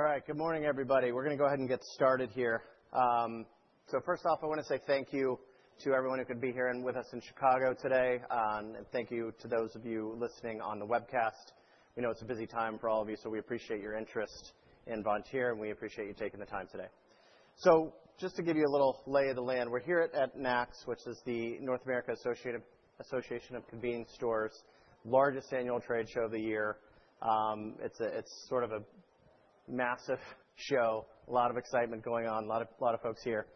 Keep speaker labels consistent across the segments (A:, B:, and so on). A: All right. Good morning, everybody. We're going to go ahead and get started here, so first off, I want to say thank you to everyone who could be here and with us in Chicago today, and thank you to those of you listening on the webcast. We know it's a busy time for all of you, so we appreciate your interest in Vontier, and we appreciate you taking the time today. So just to give you a little lay of the land, we're here at NACS, which is the National Association of Convenience Stores' Largest Annual Trade Show of the year. It's sort of a massive show, a lot of excitement going on, a lot of folks here,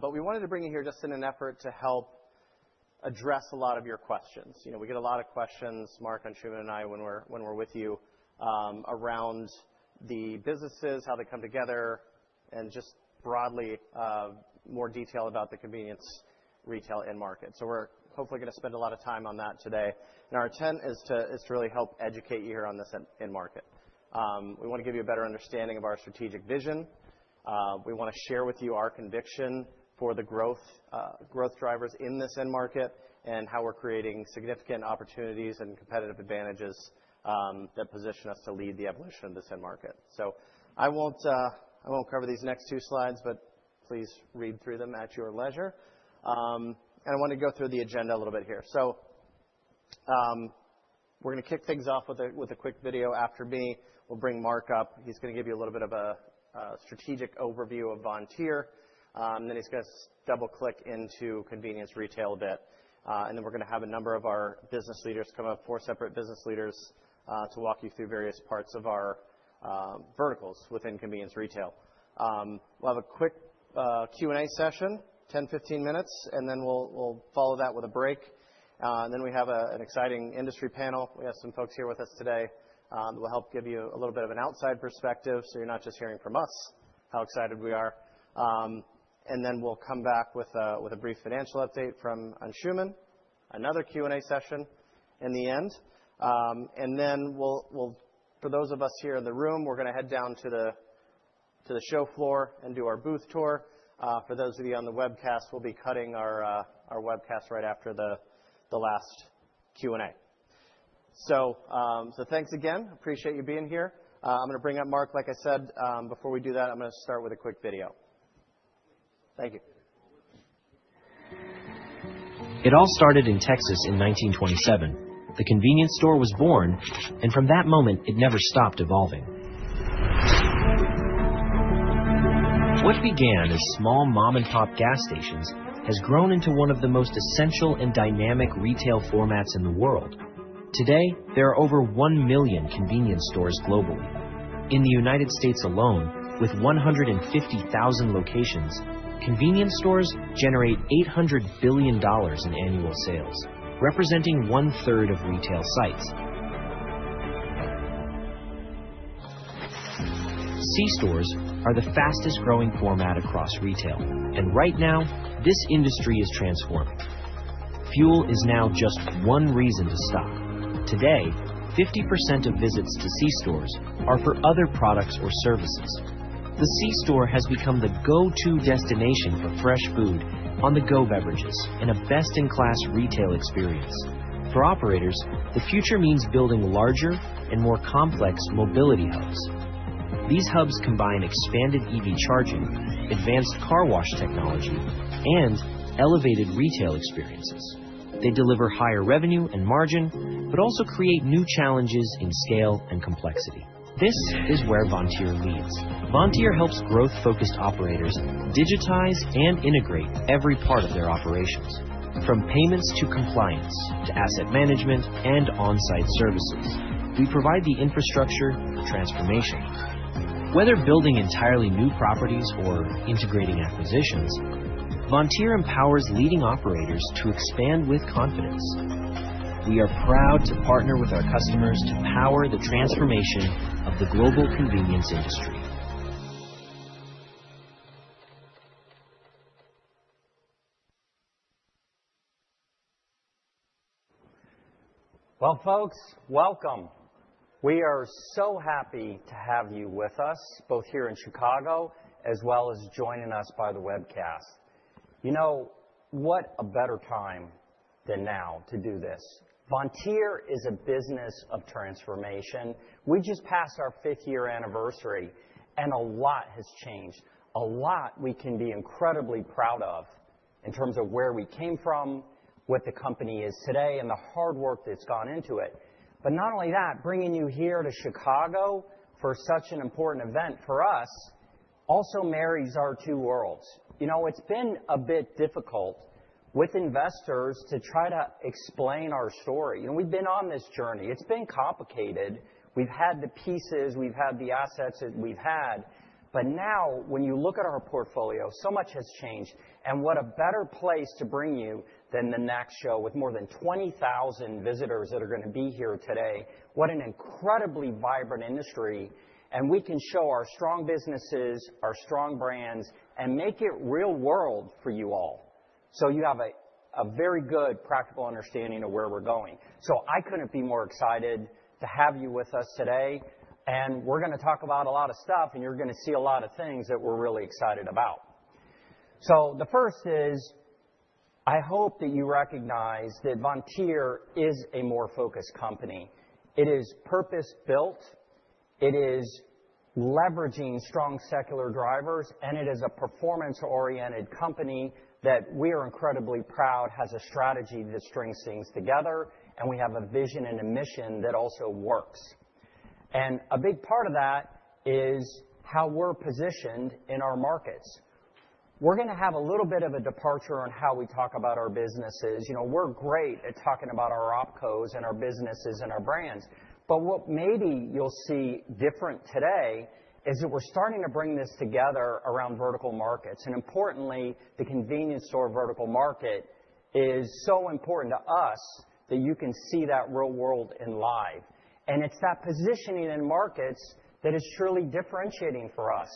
A: but we wanted to bring you here just in an effort to help address a lot of your questions. You know, we get a lot of questions, Mark Anshooman and I when we're with you, around the businesses, how they come together, and just broadly, more detail about the convenience retail end market. So we're hopefully going to spend a lot of time on that today. And our intent is to really help educate you here on this end market. We want to give you a better understanding of our strategic vision. We want to share with you our conviction for the growth, growth drivers in this end market and how we're creating significant opportunities and competitive advantages, that position us to lead the evolution of this end market. So I won't cover these next two slides, but please read through them at your leisure. And I want to go through the agenda a little bit here. So, we're going to kick things off with a quick video after me. We'll bring Mark up. He's going to give you a little bit of a strategic overview of Vontier. Then he's going to double-click into convenience retail a bit. And then we're going to have a number of our business leaders come up, four separate business leaders, to walk you through various parts of our verticals within convenience retail. We'll have a quick Q&A session, 10-15 minutes, and then we'll follow that with a break. And then we have an exciting industry panel. We have some folks here with us today that will help give you a little bit of an outside perspective so you're not just hearing from us how excited we are. And then we'll come back with a brief financial update from Schumann, another Q&A session in the end. And then we'll, for those of us here in the room, we're going to head down to the show floor and do our booth tour. For those of you on the webcast, we'll be cutting our webcast right after the last Q&A. So thanks again. Appreciate you being here. I'm going to bring up Mark. Like I said, before we do that, I'm going to start with a quick video. Thank you. It all started in Texas in 1927. The convenience store was born, and from that moment, it never stopped evolving. What began as small mom-and-pop gas stations has grown into one of the most essential and dynamic retail formats in the world. Today, there are over one million convenience stores globally. In the United States alone, with 150,000 locations, convenience stores generate $800 billion in annual sales, representing one-third of retail sites. C-stores are the fastest-growing format across retail, and right now, this industry is transforming. Fuel is now just one reason to stop. Today, 50% of visits to c-stores are for other products or services. The c-store has become the go-to destination for fresh food, on-the-go beverages, and a best-in-class retail experience. For operators, the future means building larger and more complex mobility hubs. These hubs combine expanded EV charging, advanced car wash technology, and elevated retail experiences. They deliver higher revenue and margin, but also create new challenges in scale and complexity. This is where Vontier leads. Vontier helps growth-focused operators digitize and integrate every part of their operations. From payments to compliance to asset management and on-site services, we provide the infrastructure for transformation. Whether building entirely new properties or integrating acquisitions, Vontier empowers leading operators to expand with confidence. We are proud to partner with our customers to power the transformation of the global convenience industry.
B: Well, folks, welcome. We are so happy to have you with us, both here in Chicago as well as joining us by the webcast. You know, what a better time than now to do this? Vontier is a business of transformation. We just passed our fifth-year anniversary, and a lot has changed. A lot we can be incredibly proud of in terms of where we came from, what the company is today, and the hard work that's gone into it. But not only that, bringing you here to Chicago for such an important event for us also marries our two worlds. You know, it's been a bit difficult with investors to try to explain our story. You know, we've been on this journey. It's been complicated. We've had the pieces. We've had the assets that we've had. But now, when you look at our portfolio, so much has changed. And what a better place to bring you than the NACS show with more than 20,000 visitors that are going to be here today. What an incredibly vibrant industry, and we can show our strong businesses, our strong brands, and make it real-world for you all, so you have a very good practical understanding of where we're going, so I couldn't be more excited to have you with us today, and we're going to talk about a lot of stuff, and you're going to see a lot of things that we're really excited about. The first is, I hope that you recognize that Vontier is a more focused company. It is purpose-built. It is leveraging strong secular drivers, and it is a performance-oriented company that we are incredibly proud has a strategy that strings things together, and we have a vision and a mission that also works. And a big part of that is how we're positioned in our markets. We're going to have a little bit of a departure on how we talk about our businesses. You know, we're great at talking about our opcos and our businesses and our brands. But what maybe you'll see different today is that we're starting to bring this together around vertical markets. And importantly, the convenience store vertical market is so important to us that you can see that real world in live. And it's that positioning in markets that is truly differentiating for us.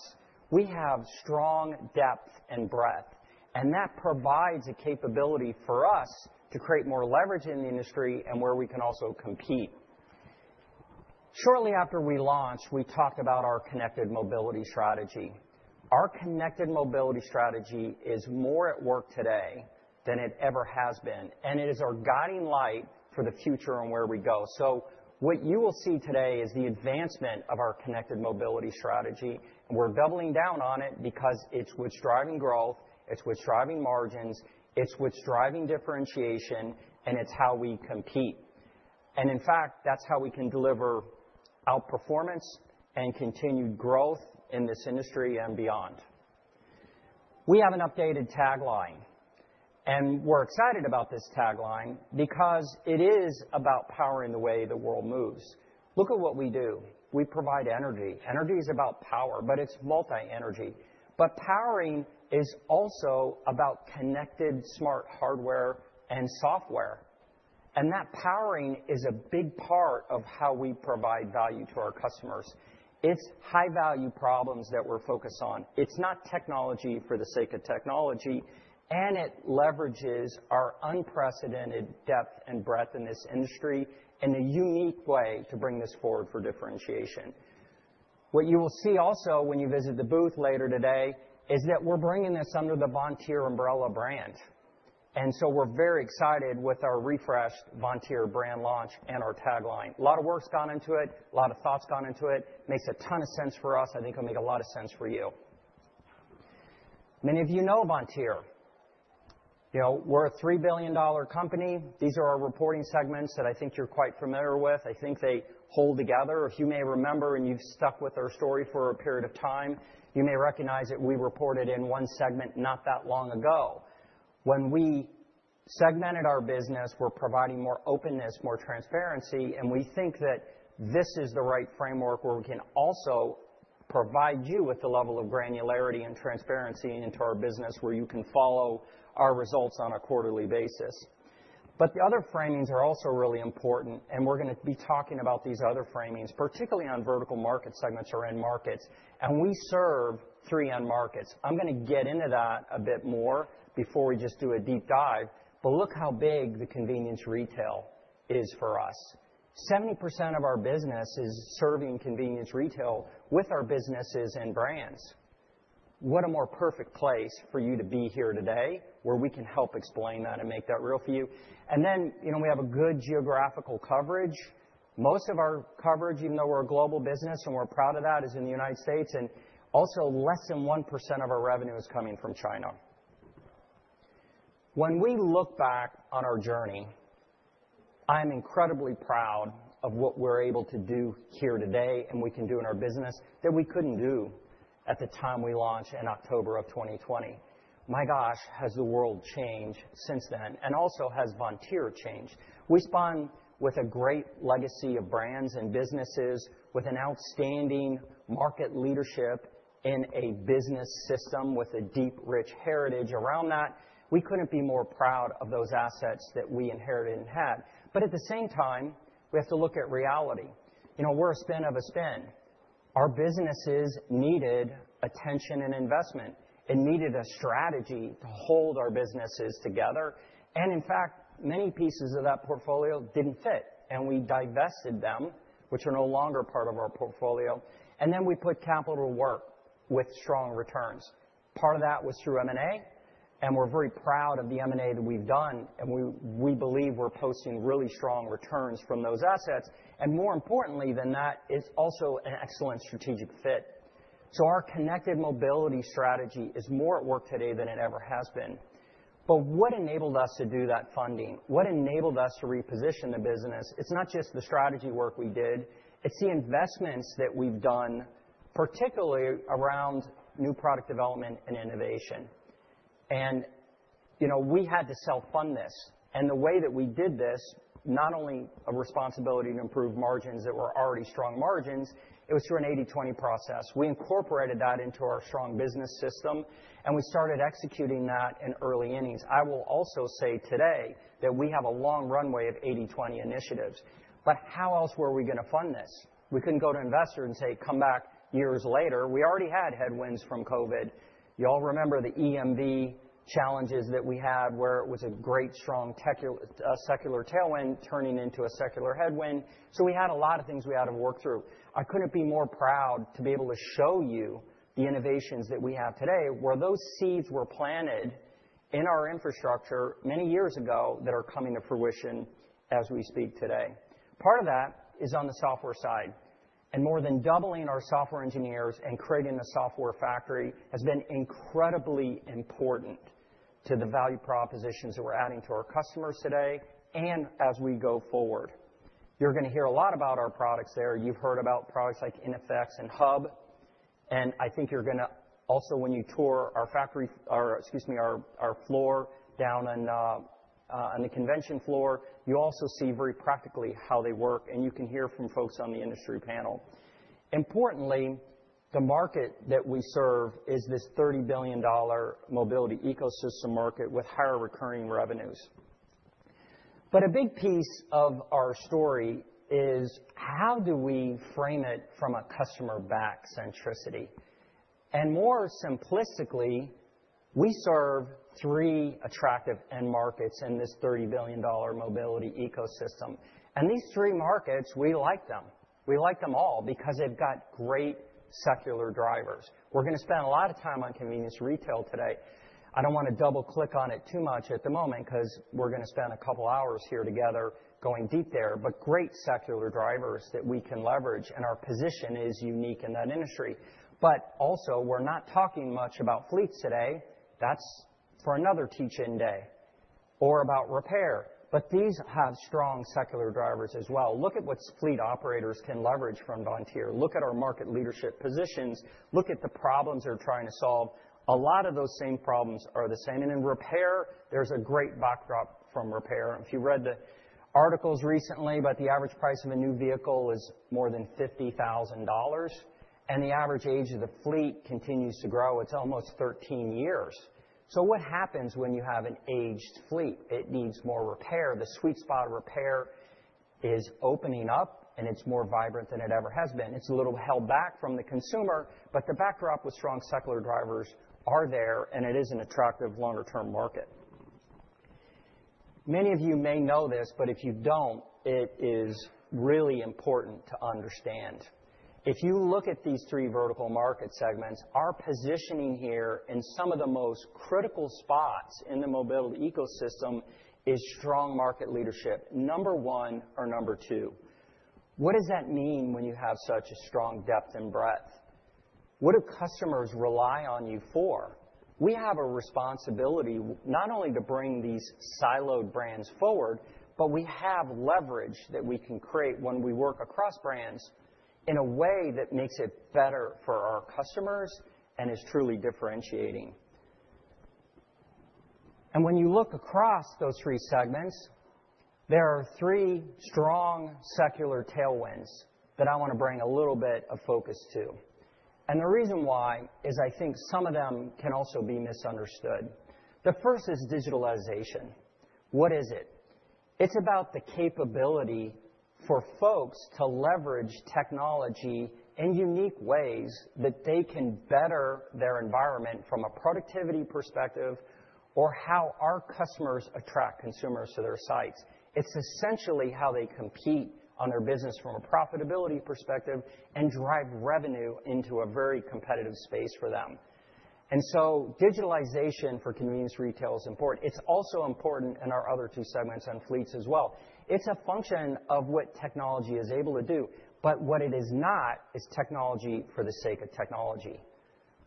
B: We have strong depth and breadth, and that provides a capability for us to create more leverage in the industry and where we can also compete. Shortly after we launched, we talked about our connected mobility strategy. Our connected mobility strategy is more at work today than it ever has been, and it is our guiding light for the future and where we go, so what you will see today is the advancement of our connected mobility strategy, and we're doubling down on it because it's what's driving growth, it's what's driving margins, it's what's driving differentiation, and it's how we compete, and in fact, that's how we can deliver outperformance and continued growth in this industry and beyond. We have an updated tagline, and we're excited about this tagline because it is about powering the way the world moves. Look at what we do. We provide energy. Energy is about power, but it's multi-energy, but powering is also about connected smart hardware and software, and that powering is a big part of how we provide value to our customers. It's high-value problems that we're focused on. It's not technology for the sake of technology, and it leverages our unprecedented depth and breadth in this industry in a unique way to bring this forward for differentiation. What you will see also when you visit the booth later today is that we're bringing this under the Vontier umbrella brand, and so we're very excited with our refreshed Vontier brand launch and our tagline. A lot of work's gone into it. A lot of thoughts gone into it. Makes a ton of sense for us. I think it'll make a lot of sense for you. Many of you know Vontier. You know, we're a $3 billion company. These are our reporting segments that I think you're quite familiar with. I think they hold together. If you may remember, and you've stuck with our story for a period of time, you may recognize that we reported in one segment not that long ago. When we segmented our business, we're providing more openness, more transparency, and we think that this is the right framework where we can also provide you with the level of granularity and transparency into our business where you can follow our results on a quarterly basis. But the other framings are also really important, and we're going to be talking about these other framings, particularly on vertical market segments or end markets. And we serve three end markets. I'm going to get into that a bit more before we just do a deep dive. But look how big the convenience retail is for us. 70% of our business is serving convenience retail with our businesses and brands. What a more perfect place for you to be here today where we can help explain that and make that real for you. And then, you know, we have a good geographical coverage. Most of our coverage, even though we're a global business and we're proud of that, is in the United States. And also, less than 1% of our revenue is coming from China. When we look back on our journey, I'm incredibly proud of what we're able to do here today and we can do in our business that we couldn't do at the time we launched in October of 2020. My gosh, has the world changed since then, and also has Vontier changed. We spun with a great legacy of brands and businesses, with an outstanding market leadership in a business system with a deep, rich heritage around that. We couldn't be more proud of those assets that we inherited and had. But at the same time, we have to look at reality. You know, we're a spin of a spin. Our businesses needed attention and investment. It needed a strategy to hold our businesses together. And in fact, many pieces of that portfolio didn't fit, and we divested them, which are no longer part of our portfolio. And then we put capital to work with strong returns. Part of that was through M&A, and we're very proud of the M&A that we've done, and we believe we're posting really strong returns from those assets. And more importantly than that, it's also an excellent strategic fit. So our connected mobility strategy is more at work today than it ever has been. But what enabled us to do that funding? What enabled us to reposition the business? It's not just the strategy work we did. It's the investments that we've done, particularly around new product development and innovation, and you know, we had to self-fund this, and the way that we did this, not only a responsibility to improve margins that were already strong margins, it was through an 80/20 process. We incorporated that into our strong business system, and we started executing that in early innings. I will also say today that we have a long runway of 80/20 initiatives, but how else were we going to fund this? We couldn't go to investors and say, "Come back years later." We already had headwinds from COVID. You all remember the EMV challenges that we had where it was a great, strong secular tailwind turning into a secular headwind, so we had a lot of things we had to work through. I couldn't be more proud to be able to show you the innovations that we have today, where those seeds were planted in our infrastructure many years ago that are coming to fruition as we speak today. Part of that is on the software side, and more than doubling our software engineers and creating the software factory has been incredibly important to the value propositions that we're adding to our customers today and as we go forward. You're going to hear a lot about our products there. You've heard about products like iNFX and Hub, and I think you're going to also, when you tour our factory or, excuse me, our floor down on the convention floor, you also see very practically how they work, and you can hear from folks on the industry panel. Importantly, the market that we serve is this $30 billion mobility ecosystem market with higher recurring revenues, but a big piece of our story is how do we frame it from a customer-centricity, and more simplistically, we serve three attractive end markets in this $30 billion mobility ecosystem, and these three markets, we like them. We like them all because they've got great secular drivers. We're going to spend a lot of time on convenience retail today. I don't want to double-click on it too much at the moment because we're going to spend a couple of hours here together going deep there, but great secular drivers that we can leverage, and our position is unique in that industry, but also, we're not talking much about fleets today. That's for another teach-in day or about repair, but these have strong secular drivers as well. Look at what fleet operators can leverage from Vontier. Look at our market leadership positions. Look at the problems they're trying to solve. A lot of those same problems are the same, and in repair, there's a great backdrop from repair. If you read the articles recently about the average price of a new vehicle is more than $50,000, and the average age of the fleet continues to grow. It's almost 13 years, so what happens when you have an aged fleet? It needs more repair. The sweet spot of repair is opening up, and it's more vibrant than it ever has been. It's a little held back from the consumer, but the backdrop with strong secular drivers is there, and it is an attractive longer-term market. Many of you may know this, but if you don't, it is really important to understand. If you look at these three vertical market segments, our positioning here in some of the most critical spots in the mobility ecosystem is strong market leadership, number one or number two. What does that mean when you have such a strong depth and breadth? What do customers rely on you for? We have a responsibility not only to bring these siloed brands forward, but we have leverage that we can create when we work across brands in a way that makes it better for our customers and is truly differentiating, and when you look across those three segments, there are three strong secular tailwinds that I want to bring a little bit of focus to, and the reason why is I think some of them can also be misunderstood. The first is digitalization. What is it? It's about the capability for folks to leverage technology in unique ways that they can better their environment from a productivity perspective or how our customers attract consumers to their sites. It's essentially how they compete on their business from a profitability perspective and drive revenue into a very competitive space for them. And so digitalization for convenience retail is important. It's also important in our other two segments on fleets as well. It's a function of what technology is able to do, but what it is not is technology for the sake of technology.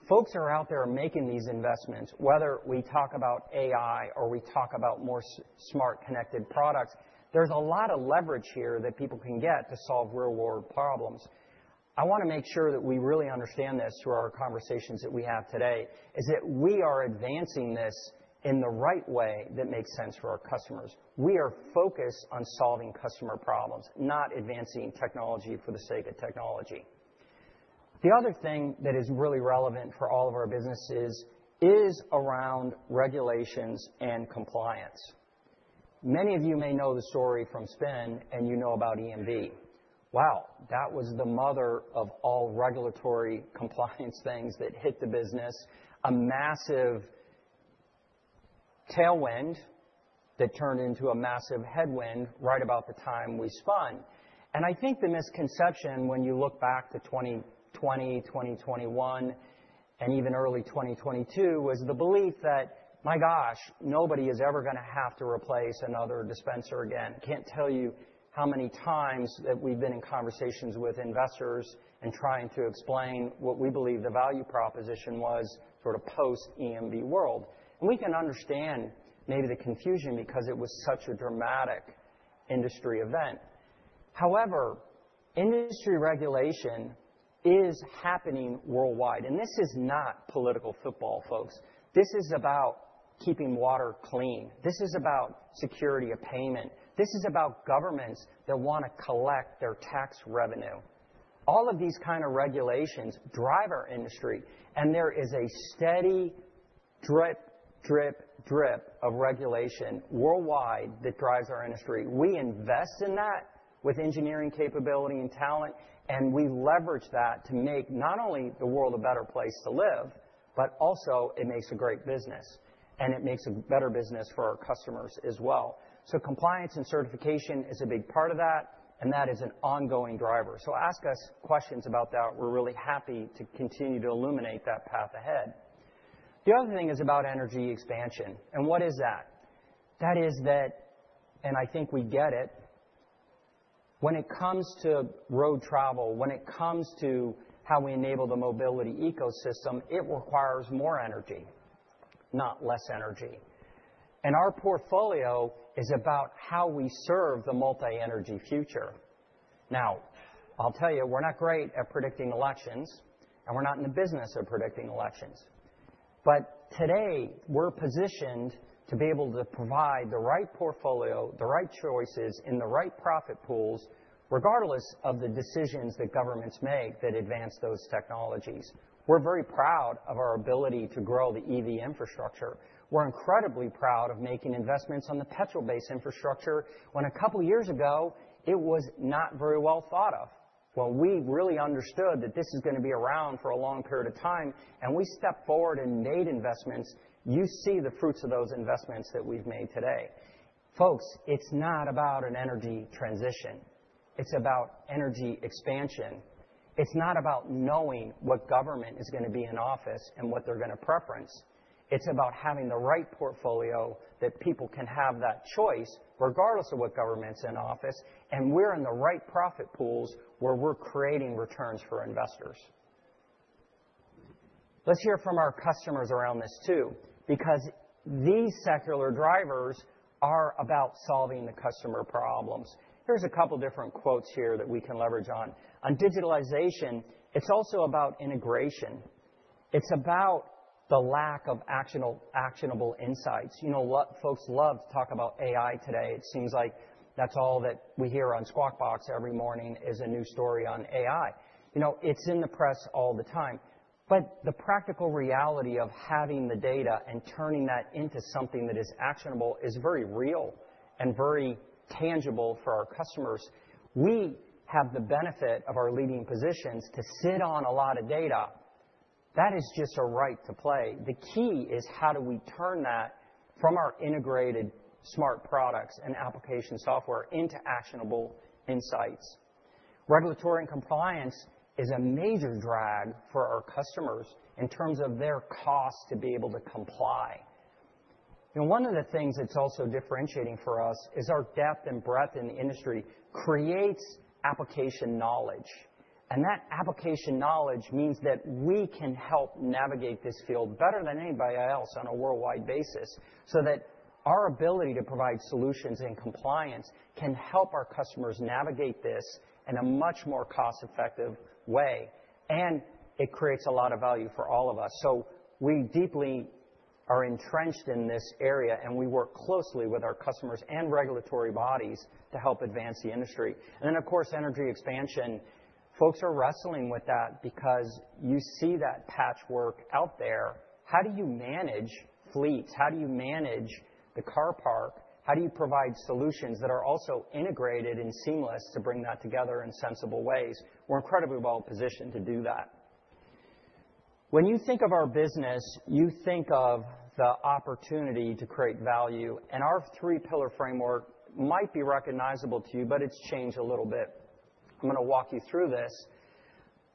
B: Folks are out there making these investments. Whether we talk about AI or we talk about more smart connected products, there's a lot of leverage here that people can get to solve real-world problems. I want to make sure that we really understand this through our conversations that we have today, is that we are advancing this in the right way that makes sense for our customers. We are focused on solving customer problems, not advancing technology for the sake of technology. The other thing that is really relevant for all of our businesses is around regulations and compliance. Many of you may know the story from Spin, and you know about EMV. Wow! That was the mother of all regulatory compliance things that hit the business, a massive tailwind that turned into a massive headwind right about the time we spun, and I think the misconception when you look back to 2020, 2021, and even early 2022 was the belief that, my gosh, nobody is ever going to have to replace another dispenser again. Can't tell you how many times that we've been in conversations with investors and trying to explain what we believe the value proposition was sort of post-EMV world, and we can understand maybe the confusion because it was such a dramatic industry event. However, industry regulation is happening worldwide, and this is not political football, folks. This is about keeping water clean. This is about security of payment. This is about governments that want to collect their tax revenue. All of these kinds of regulations drive our industry, and there is a steady drip, drip, drip of regulation worldwide that drives our industry. We invest in that with engineering capability and talent, and we leverage that to make not only the world a better place to live, but also it makes a great business, and it makes a better business for our customers as well. So compliance and certification is a big part of that, and that is an ongoing driver. So ask us questions about that. We're really happy to continue to illuminate that path ahead. The other thing is about energy expansion. And what is that? That is that, and I think we get it, when it comes to road travel, when it comes to how we enable the mobility ecosystem, it requires more energy, not less energy. And our portfolio is about how we serve the multi-energy future. Now, I'll tell you, we're not great at predicting elections, and we're not in the business of predicting elections. But today, we're positioned to be able to provide the right portfolio, the right choices in the right profit pools, regardless of the decisions that governments make that advance those technologies. We're very proud of our ability to grow the EV infrastructure. We're incredibly proud of making investments on the petrol-based infrastructure when a couple of years ago, it was not very well thought of. Well, we really understood that this is going to be around for a long period of time, and we stepped forward and made investments. You see the fruits of those investments that we've made today. Folks, it's not about an energy transition. It's about energy expansion. It's not about knowing what government is going to be in office and what they're going to preference. It's about having the right portfolio that people can have that choice regardless of what government's in office, and we're in the right profit pools where we're creating returns for investors. Let's hear from our customers around this too, because these secular drivers are about solving the customer problems. Here's a couple of different quotes here that we can leverage on. On digitalization, it's also about integration. It's about the lack of actionable insights. You know, folks love to talk about AI today. It seems like that's all that we hear on Squawk Box every morning is a new story on AI. You know, it's in the press all the time. But the practical reality of having the data and turning that into something that is actionable is very real and very tangible for our customers. We have the benefit of our leading positions to sit on a lot of data. That is just a right to play. The key is how do we turn that from our integrated smart products and application software into actionable insights. Regulatory and compliance is a major drag for our customers in terms of their cost to be able to comply. And one of the things that's also differentiating for us is our depth and breadth in the industry creates application knowledge. And that application knowledge means that we can help navigate this field better than anybody else on a worldwide basis so that our ability to provide solutions and compliance can help our customers navigate this in a much more cost-effective way. And it creates a lot of value for all of us. So we deeply are entrenched in this area, and we work closely with our customers and regulatory bodies to help advance the industry. And then, of course, energy expansion. Folks are wrestling with that because you see that patchwork out there. How do you manage fleets? How do you manage the car park? How do you provide solutions that are also integrated and seamless to bring that together in sensible ways? We're incredibly well positioned to do that. When you think of our business, you think of the opportunity to create value. And our three-pillar framework might be recognizable to you, but it's changed a little bit. I'm going to walk you through this.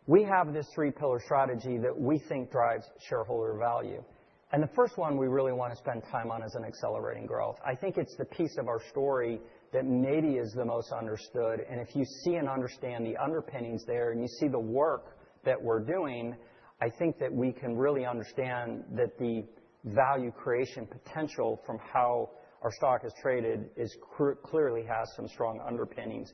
B: We have this three-pillar strategy that we think drives shareholder value. And the first one we really want to spend time on is accelerating growth. I think it's the piece of our story that maybe is the most understood. And if you see and understand the underpinnings there and you see the work that we're doing, I think that we can really understand that the value creation potential from how our stock is traded clearly has some strong underpinnings.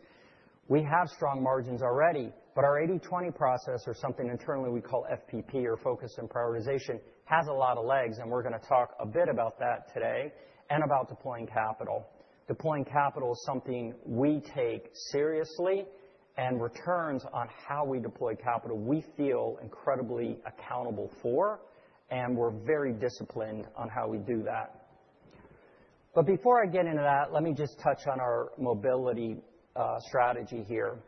B: We have strong margins already, but our 80/20 process or something internally we call FPP or Focus and Prioritization has a lot of legs, and we're going to talk a bit about that today and about deploying capital. Deploying capital is something we take seriously, and returns on how we deploy capital, we feel incredibly accountable for, and we're very disciplined on how we do that, but before I get into that, let me just touch on our mobility strategy here,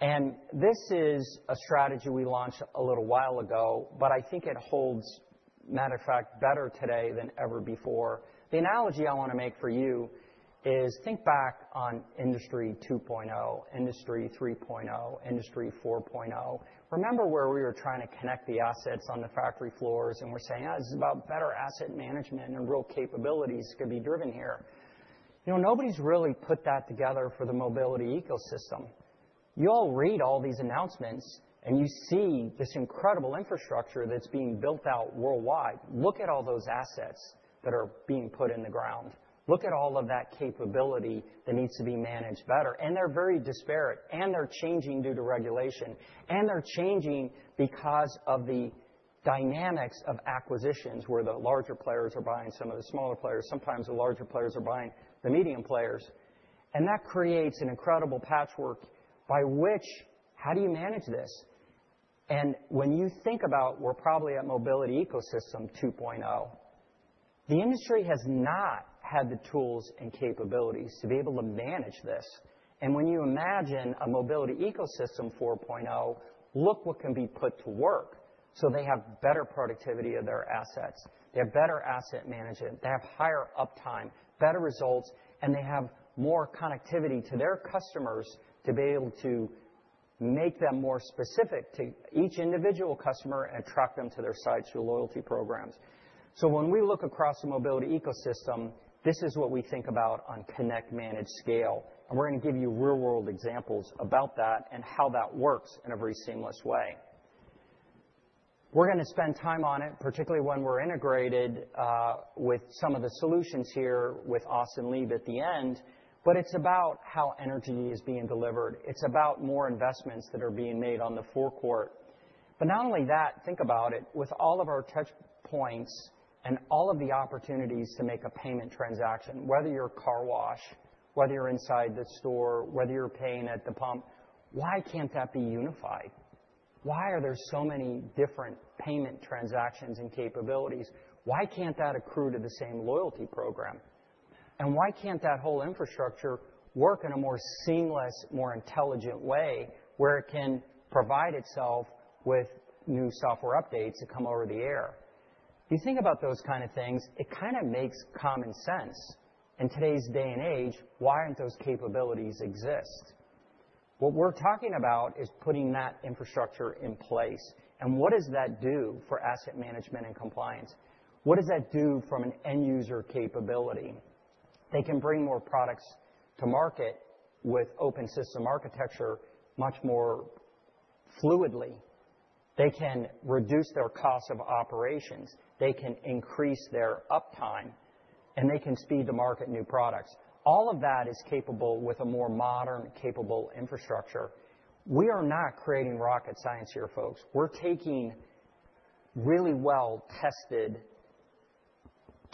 B: and this is a strategy we launched a little while ago, but I think it holds, matter of fact, better today than ever before. The analogy I want to make for you is, think back on Industry 2.0, Industry 3.0, Industry 4.0. Remember where we were trying to connect the assets on the factory floors, and we're saying, "this is about better asset management and real capabilities could be driven here." You know, nobody's really put that together for the mobility ecosystem. You all read all these announcements, and you see this incredible infrastructure that's being built out worldwide. Look at all those assets that are being put in the ground. Look at all of that capability that needs to be managed better. And they're very disparate, and they're changing due to regulation, and they're changing because of the dynamics of acquisitions where the larger players are buying some of the smaller players. Sometimes the larger players are buying the medium players. And that creates an incredible patchwork by which, how do you manage this? And when you think about, we're probably at mobility ecosystem 2.0, the industry has not had the tools and capabilities to be able to manage this. And when you imagine a mobility ecosystem 4.0, look what can be put to work. So they have better productivity of their assets. They have better asset management. They have higher uptime, better results, and they have more connectivity to their customers to be able to make them more specific to each individual customer and attract them to their sites through loyalty programs. So when we look across the mobility ecosystem, this is what we think about on connect-manage-scale. And we're going to give you real-world examples about that and how that works in a very seamless way. We're going to spend time on it, particularly when we're integrated with some of the solutions here with Austin Lieb at the end, but it's about how energy is being delivered. It's about more investments that are being made on the forecourt. But not only that, think about it. With all of our touchpoints and all of the opportunities to make a payment transaction, whether you're car wash, whether you're inside the store, whether you're paying at the pump, why can't that be unified? Why are there so many different payment transactions and capabilities? Why can't that accrue to the same loyalty program? And why can't that whole infrastructure work in a more seamless, more intelligent way where it can provide itself with new software updates that come over the air? You think about those kinds of things, it kind of makes common sense. In today's day and age, why aren't those capabilities exist? What we're talking about is putting that infrastructure in place. And what does that do for asset management and compliance? What does that do from an end-user capability? They can bring more products to market with open system architecture much more fluidly. They can reduce their cost of operations. They can increase their uptime, and they can speed the market new products. All of that is capable with a more modern, capable infrastructure. We are not creating rocket science here, folks. We're taking really well-tested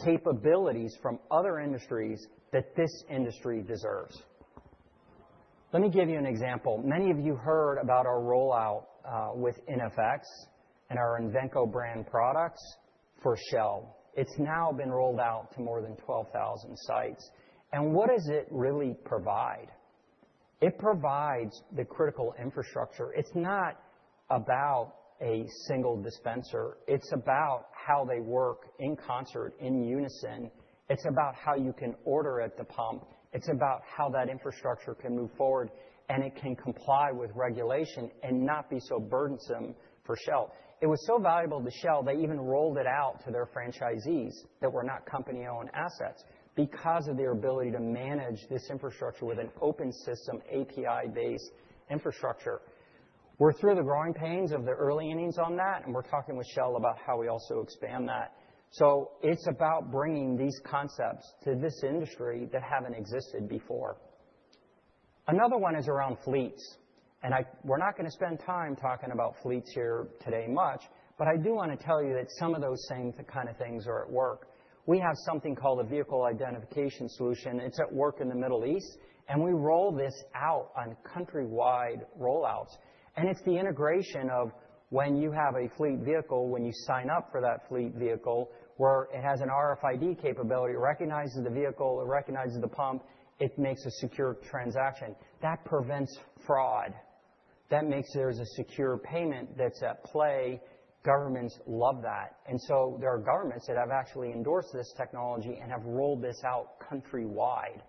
B: capabilities from other industries that this industry deserves. Let me give you an example. Many of you heard about our rollout with iNFX and our Invenco brand products for Shell. It's now been rolled out to more than 12,000 sites. And what does it really provide? It provides the critical infrastructure. It's not about a single dispenser. It's about how they work in concert, in unison. It's about how you can order at the pump. It's about how that infrastructure can move forward and it can comply with regulation and not be so burdensome for Shell. It was so valuable to Shell, they even rolled it out to their franchisees that were not company-owned assets because of their ability to manage this infrastructure with an open system, API-based infrastructure. We're through the growing pains of the early innings on that, and we're talking with Shell about how we also expand that, so it's about bringing these concepts to this industry that haven't existed before. Another one is around fleets, and we're not going to spend time talking about fleets here today much, but I do want to tell you that some of those same kinds of things are at work. We have something called a Vehicle Identification Solution. It's at work in the Middle East, and we roll this out on countrywide rollouts, and it's the integration of when you have a fleet vehicle, when you sign up for that fleet vehicle where it has an RFID capability, recognizes the vehicle, it recognizes the pump, it makes a secure transaction. That prevents fraud. That makes there a secure payment that's at play. Governments love that, and so there are governments that have actually endorsed this technology and have rolled this out countrywide.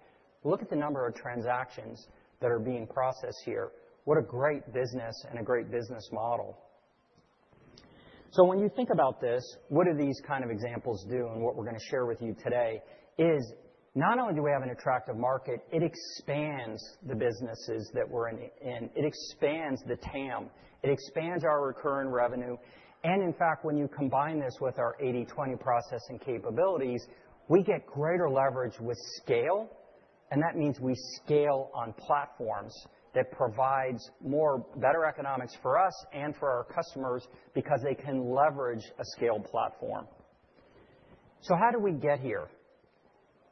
B: Look at the number of transactions that are being processed here. What a great business and a great business model, so when you think about this, what do these kinds of examples do and what we're going to share with you today is not only do we have an attractive market, it expands the businesses that we're in. It expands the TAM. It expands our recurring revenue. And in fact, when you combine this with our 80/20 processing capabilities, we get greater leverage with scale. And that means we scale on platforms that provide more better economics for us and for our customers because they can leverage a scaled platform. So how did we get here?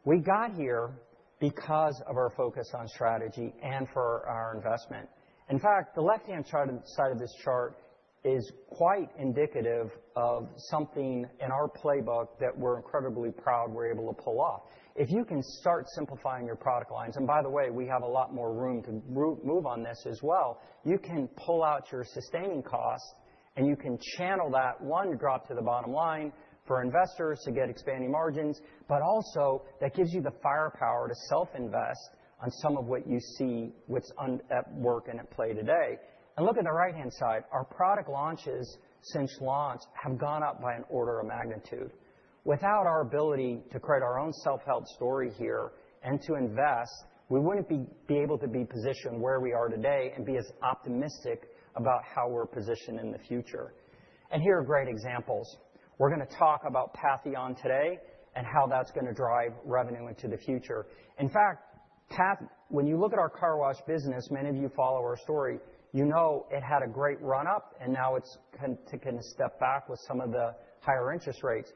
B: We got here because of our focus on strategy and for our investment. In fact, the left-hand side of this chart is quite indicative of something in our playbook that we're incredibly proud we're able to pull off. If you can start simplifying your product lines, and by the way, we have a lot more room to move on this as well, you can pull out your sustaining costs and you can channel that one drop to the bottom line for investors to get expanding margins, but also that gives you the firepower to self-invest on some of what you see that's at work and at play today, and look at the right-hand side. Our product launches since launch have gone up by an order of magnitude. Without our ability to create our own self-help story here and to invest, we wouldn't be able to be positioned where we are today and be as optimistic about how we're positioned in the future, and here are great examples. We're going to talk about Patheon today and how that's going to drive revenue into the future. In fact, when you look at our car wash business, many of you follow our story, you know it had a great run-up and now it's stepped back with some of the higher interest rates.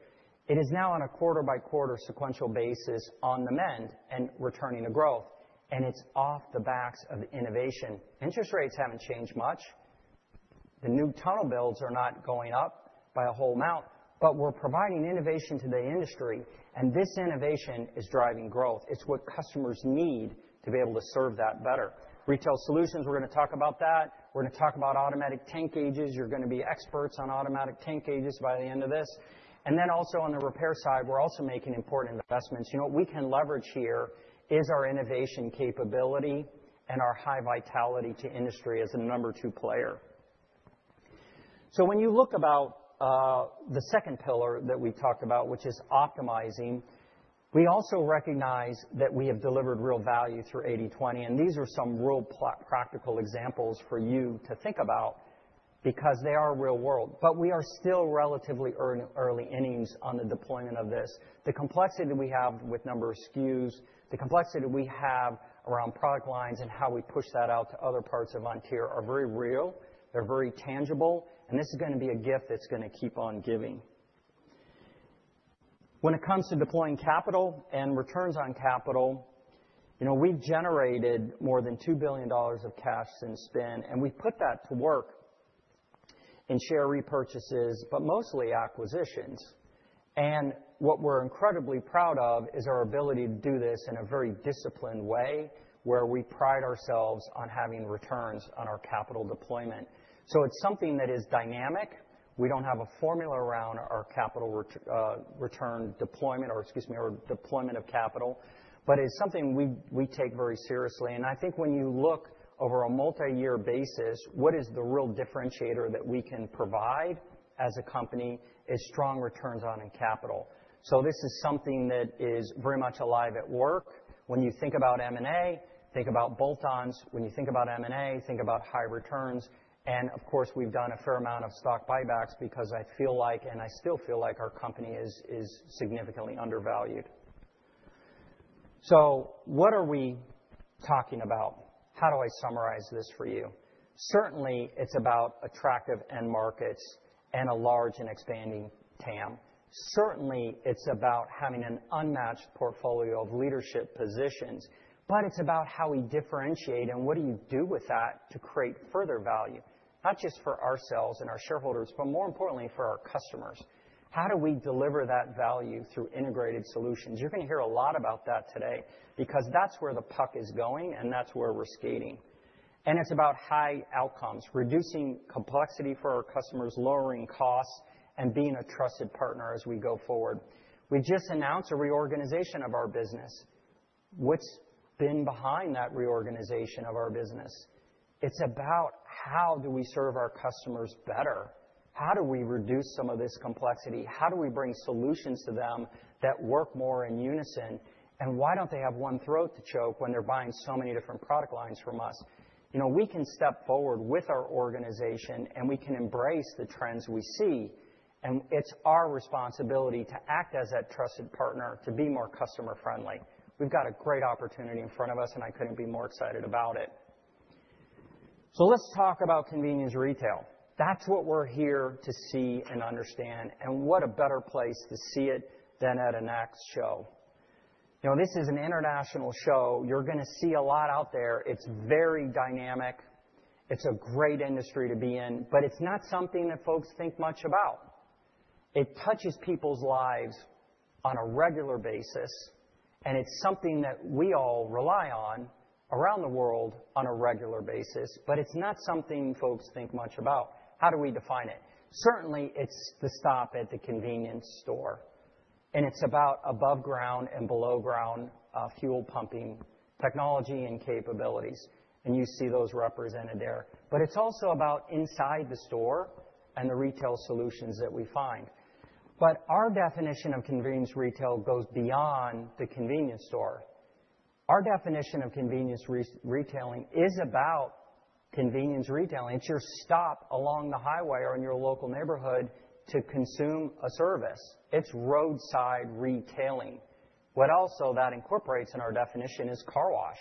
B: It is now on a quarter-by-quarter sequential basis on demand and returning to growth, and it's on the backs of innovation. Interest rates haven't changed much. The new tunnel builds are not going up by a whole lot, but we're providing innovation to the industry, and this innovation is driving growth. It's what customers need to be able to serve that better. Retail solutions, we're going to talk about that. We're going to talk about automatic tank gauges. You're going to be experts on automatic tank gauges by the end of this, and then also on the repair side, we're also making important investments. You know, what we can leverage here is our innovation capability and our high vitality to industry as a number two player. So when you look about the second pillar that we talk about, which is optimizing, we also recognize that we have delivered real value through 80/20. And these are some real practical examples for you to think about because they are real world. But we are still relatively early innings on the deployment of this. The complexity that we have with number of SKUs, the complexity that we have around product lines and how we push that out to other parts of Vontier are very real. They're very tangible. And this is going to be a gift that's going to keep on giving. When it comes to deploying capital and returns on capital, you know, we've generated more than $2 billion of cash since then, and we've put that to work in share repurchases, but mostly acquisitions. And what we're incredibly proud of is our ability to do this in a very disciplined way where we pride ourselves on having returns on our capital deployment. So it's something that is dynamic. We don't have a formula around our capital return deployment or, excuse me, our deployment of capital, but it's something we take very seriously. And I think when you look over a multi-year basis, what is the real differentiator that we can provide as a company is strong returns on capital. So this is something that is very much alive at work. When you think about M&A, think about bolt-ons. When you think about M&A, think about high returns. And of course, we've done a fair amount of stock buybacks because I feel like, and I still feel like, our company is significantly undervalued. So what are we talking about? How do I summarize this for you? Certainly, it's about attractive end markets and a large and expanding TAM. Certainly, it's about having an unmatched portfolio of leadership positions, but it's about how we differentiate and what do you do with that to create further value, not just for ourselves and our shareholders, but more importantly for our customers. How do we deliver that value through integrated solutions? You're going to hear a lot about that today because that's where the puck is going and that's where we're skating. And it's about high outcomes, reducing complexity for our customers, lowering costs, and being a trusted partner as we go forward. We just announced a reorganization of our business. What's been behind that reorganization of our business? It's about how do we serve our customers better? How do we reduce some of this complexity? How do we bring solutions to them that work more in unison, and why don't they have one throat to choke when they're buying so many different product lines from us? You know, we can step forward with our organization and we can embrace the trends we see, and it's our responsibility to act as that trusted partner to be more customer-friendly. We've got a great opportunity in front of us, and I couldn't be more excited about it, so let's talk about convenience retail. That's what we're here to see and understand, and what a better place to see it than at a NACS show. You know, this is an international show. You're going to see a lot out there. It's very dynamic. It's a great industry to be in, but it's not something that folks think much about. It touches people's lives on a regular basis, and it's something that we all rely on around the world on a regular basis, but it's not something folks think much about. How do we define it? Certainly, it's the stop at the convenience store. And it's about above-ground and below-ground fuel pumping technology and capabilities. And you see those represented there. But it's also about inside the store and the retail solutions that we find. But our definition of convenience retail goes beyond the convenience store. Our definition of convenience retailing is about convenience retailing. It's your stop along the highway or in your local neighborhood to consume a service. It's roadside retailing. What also that incorporates in our definition is car wash.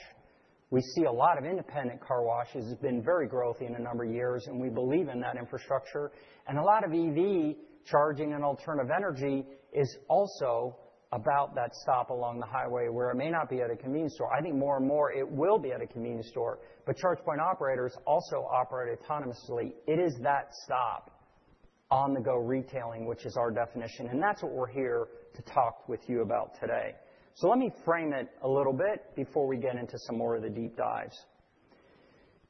B: We see a lot of independent car washes. It's been very growth in a number of years, and we believe in that infrastructure, and a lot of EV charging and alternative energy is also about that stop along the highway where it may not be at a convenience store. I think more and more it will be at a convenience store, but charge point operators also operate autonomously. It is that stop on the go retailing, which is our definition, and that's what we're here to talk with you about today, so let me frame it a little bit before we get into some more of the deep dives.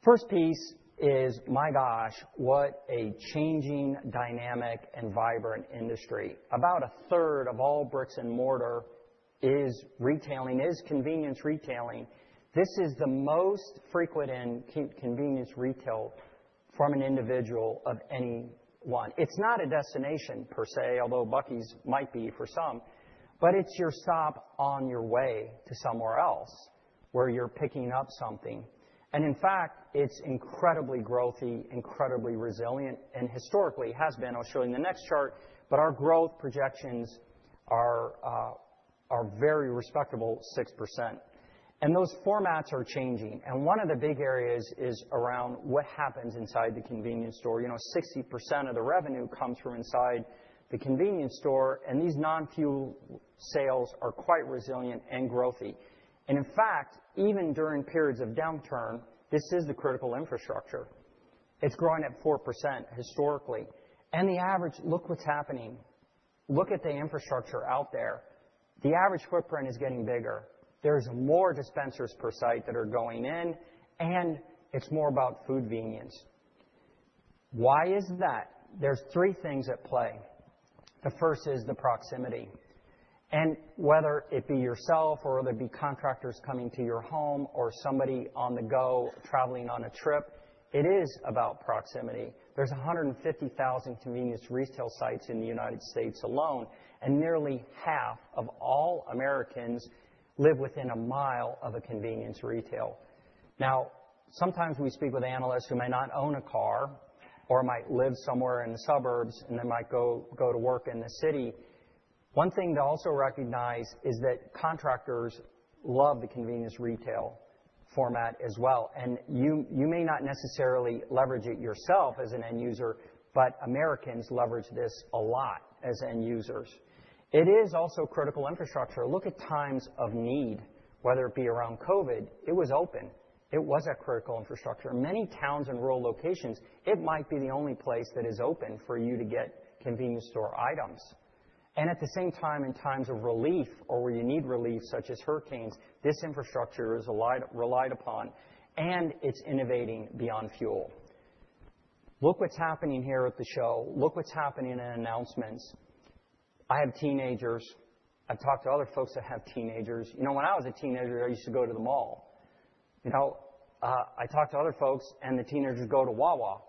B: First piece is, my gosh, what a changing, dynamic, and vibrant industry. About a third of all bricks and mortar is retailing, is convenience retailing. This is the most frequent in convenience retail from an individual of anyone. It's not a destination per se, although Buc-ee's might be for some, but it's your stop on your way to somewhere else where you're picking up something, and in fact, it's incredibly growthy, incredibly resilient, and historically has been. I'll show you in the next chart, but our growth projections are very respectable 6%. And those formats are changing, and one of the big areas is around what happens inside the convenience store. You know, 60% of the revenue comes from inside the convenience store, and these non-fuel sales are quite resilient and growthy, and in fact, even during periods of downturn, this is the critical infrastructure. It's growing at 4% historically, and the average, look what's happening. Look at the infrastructure out there. The average footprint is getting bigger. There's more dispensers per site that are going in, and it's more about food convenience. Why is that? There's three things at play. The first is the proximity. And whether it be yourself or whether it be contractors coming to your home or somebody on the go traveling on a trip, it is about proximity. There's 150,000 convenience retail sites in the United States alone, and nearly half of all Americans live within a mile of a convenience retail. Now, sometimes we speak with analysts who may not own a car or might live somewhere in the suburbs and then might go to work in the city. One thing to also recognize is that contractors love the convenience retail format as well. And you may not necessarily leverage it yourself as an end user, but Americans leverage this a lot as end users. It is also critical infrastructure. Look at times of need, whether it be around COVID, it was open. It was a critical infrastructure. Many towns and rural locations, it might be the only place that is open for you to get convenience store items. And at the same time, in times of relief or where you need relief, such as hurricanes, this infrastructure is relied upon, and it's innovating beyond fuel. Look what's happening here at the show. Look what's happening in announcements. I have teenagers. I've talked to other folks that have teenagers. You know, when I was a teenager, I used to go to the mall. You know, I talked to other folks, and the teenagers go to Wawa.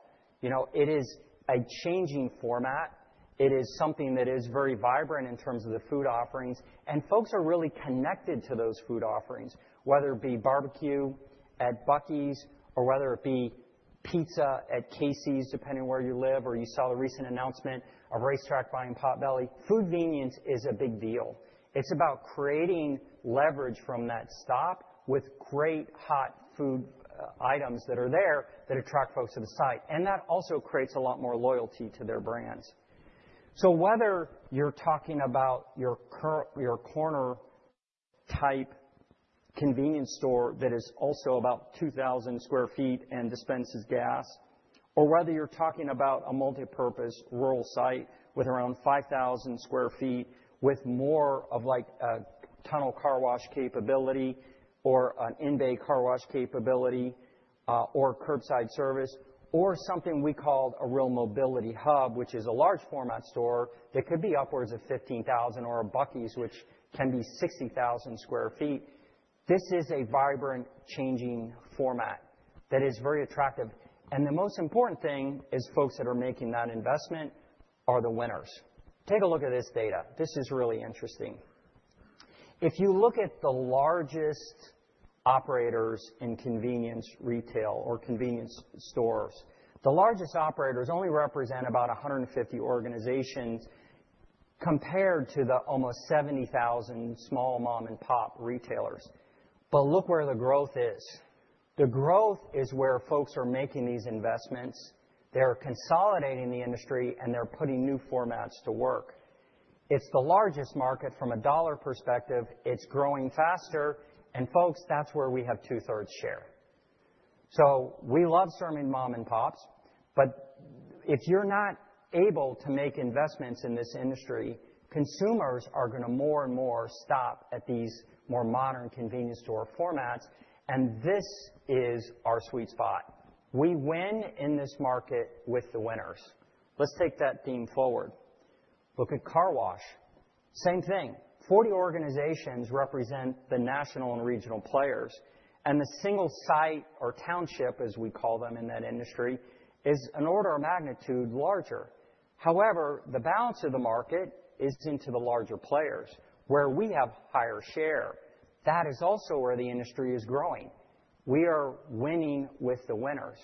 B: You know, it is a changing format. It is something that is very vibrant in terms of the food offerings. And folks are really connected to those food offerings, whether it be barbecue at Buc-ee's or whether it be pizza at Casey's, depending where you live, or you saw the recent announcement of RaceTrac buying Potbelly. Food convenience is a big deal. It's about creating leverage from that stop with great hot food items that are there that attract folks to the site. And that also creates a lot more loyalty to their brands. So whether you're talking about your corner-type convenience store that is also about 2,000 sq ft and dispenses gas, or whether you're talking about a multi-purpose rural site with around 5,000 sq ft with more of like a tunnel car wash capability or an in-bay car wash capability or curbside service or something we call a real mobility hub, which is a large format store that could be upwards of 15,000 or a Buc-ee's, which can be 60,000 sq ft. This is a vibrant, changing format that is very attractive. And the most important thing is folks that are making that investment are the winners. Take a look at this data. This is really interesting. If you look at the largest operators in convenience retail or convenience stores, the largest operators only represent about 150 organizations compared to the almost 70,000 small mom-and-pop retailers. But look where the growth is. The growth is where folks are making these investments. They're consolidating the industry, and they're putting new formats to work. It's the largest market from a dollar perspective. It's growing faster, and folks, that's where we have two-thirds share. So we love serving mom-and-pops, but if you're not able to make investments in this industry, consumers are going to more and more stop at these more modern convenience store formats, and this is our sweet spot. We win in this market with the winners. Let's take that theme forward. Look at car wash. Same thing. 40 organizations represent the national and regional players, and the single site or township, as we call them in that industry, is an order of magnitude larger. However, the balance of the market is into the larger players where we have higher share. That is also where the industry is growing. We are winning with the winners.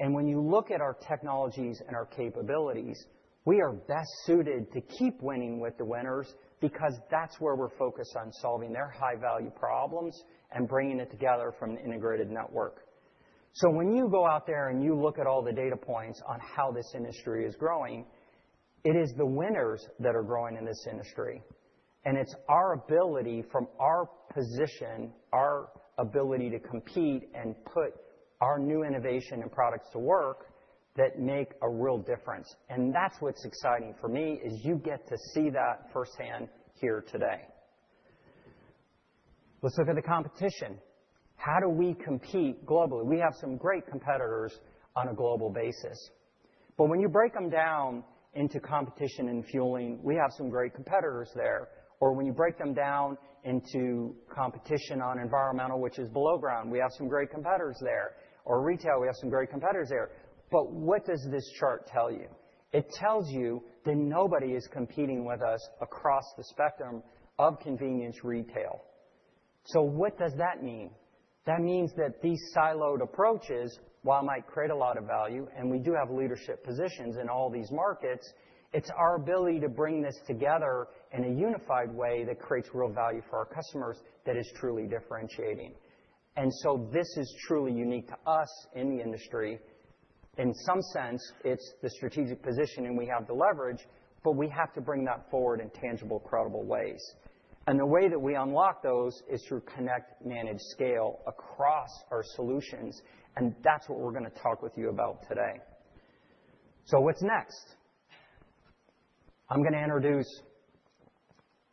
B: And when you look at our technologies and our capabilities, we are best suited to keep winning with the winners because that's where we're focused on solving their high-value problems and bringing it together from an integrated network. So when you go out there and you look at all the data points on how this industry is growing, it is the winners that are growing in this industry. And it's our ability from our position, our ability to compete and put our new innovation and products to work that make a real difference. And that's what's exciting for me is you get to see that firsthand here today. Let's look at the competition. How do we compete globally? We have some great competitors on a global basis. But when you break them down into competition in fueling, we have some great competitors there. Or when you break them down into competition on environmental, which is below ground, we have some great competitors there. Or retail, we have some great competitors there. But what does this chart tell you? It tells you that nobody is competing with us across the spectrum of convenience retail. So what does that mean? That means that these siloed approaches, while it might create a lot of value, and we do have leadership positions in all these markets, it's our ability to bring this together in a unified way that creates real value for our customers that is truly differentiating. And so this is truly unique to us in the industry. In some sense, it's the strategic position, and we have the leverage, but we have to bring that forward in tangible, credible ways. And the way that we unlock those is through connect, manage, scale across our solutions. And that's what we're going to talk with you about today. So what's next? I'm going to introduce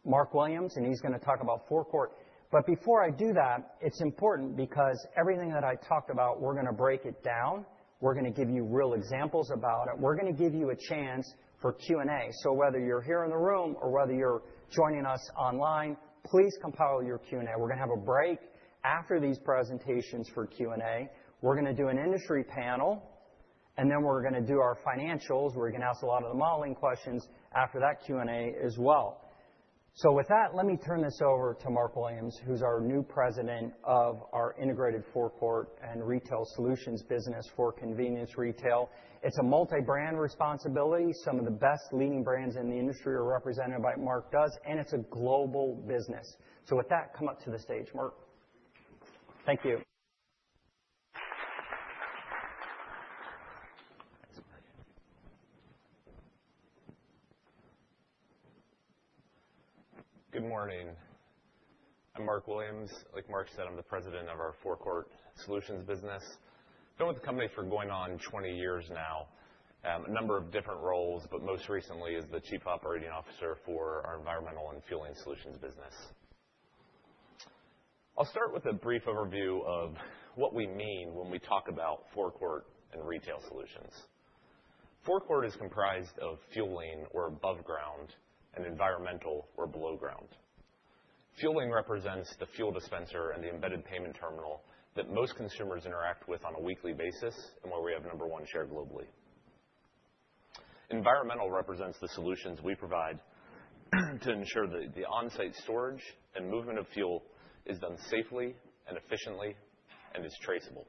B: Mark Williams, and he's going to talk about Forecourt. But before I do that, it's important because everything that I talked about, we're going to break it down. We're going to give you real examples about it. We're going to give you a chance for Q&A. So whether you're here in the room or whether you're joining us online, please compile your Q&A. We're going to have a break after these presentations for Q&A. We're going to do an industry panel, and then we're going to do our financials. We're going to ask a lot of the modeling questions after that Q&A as well. So with that, let me turn this over to Mark Williams, who's our new President of our Integrated Forecourt and Retail Solutions business for convenience retail. It's a multi-brand responsibility. Some of the best leading brands in the industry are represented by Mark Williams, and it's a global business, so with that, come up to the stage, Mark.
C: Thank you. Good morning. I'm Mark Williams. Like Mark said, I'm the president of our forecourt solutions business. I've been with the company for going on 20 years now, a number of different roles, but most recently as the chief operating officer for our environmental and fueling solutions business. I'll start with a brief overview of what we mean when we talk about forecourt and retail solutions. Forecourt is comprised of fueling or above ground and environmental or below ground. Fueling represents the fuel dispenser and the embedded payment terminal that most consumers interact with on a weekly basis and where we have number one share globally. Environmental represents the solutions we provide to ensure that the on-site storage and movement of fuel is done safely and efficiently and is traceable.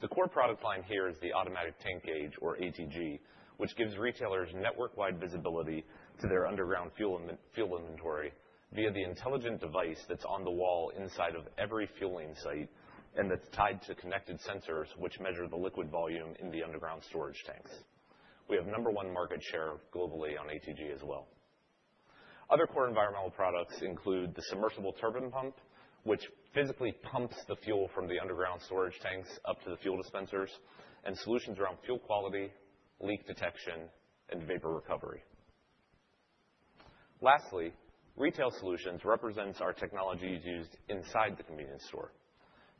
C: The core product line here is the Automatic Tank Gauge or ATG, which gives retailers network-wide visibility to their underground fuel inventory via the intelligent device that's on the wall inside of every fueling site and that's tied to connected sensors, which measure the liquid volume in the underground storage tanks. We have number one market share globally on ATG as well. Other core environmental products include the submersible turbine pump, which physically pumps the fuel from the underground storage tanks up to the fuel dispensers, and solutions around fuel quality, leak detection, and vapor recovery. Lastly, retail solutions represent our technologies used inside the convenience store.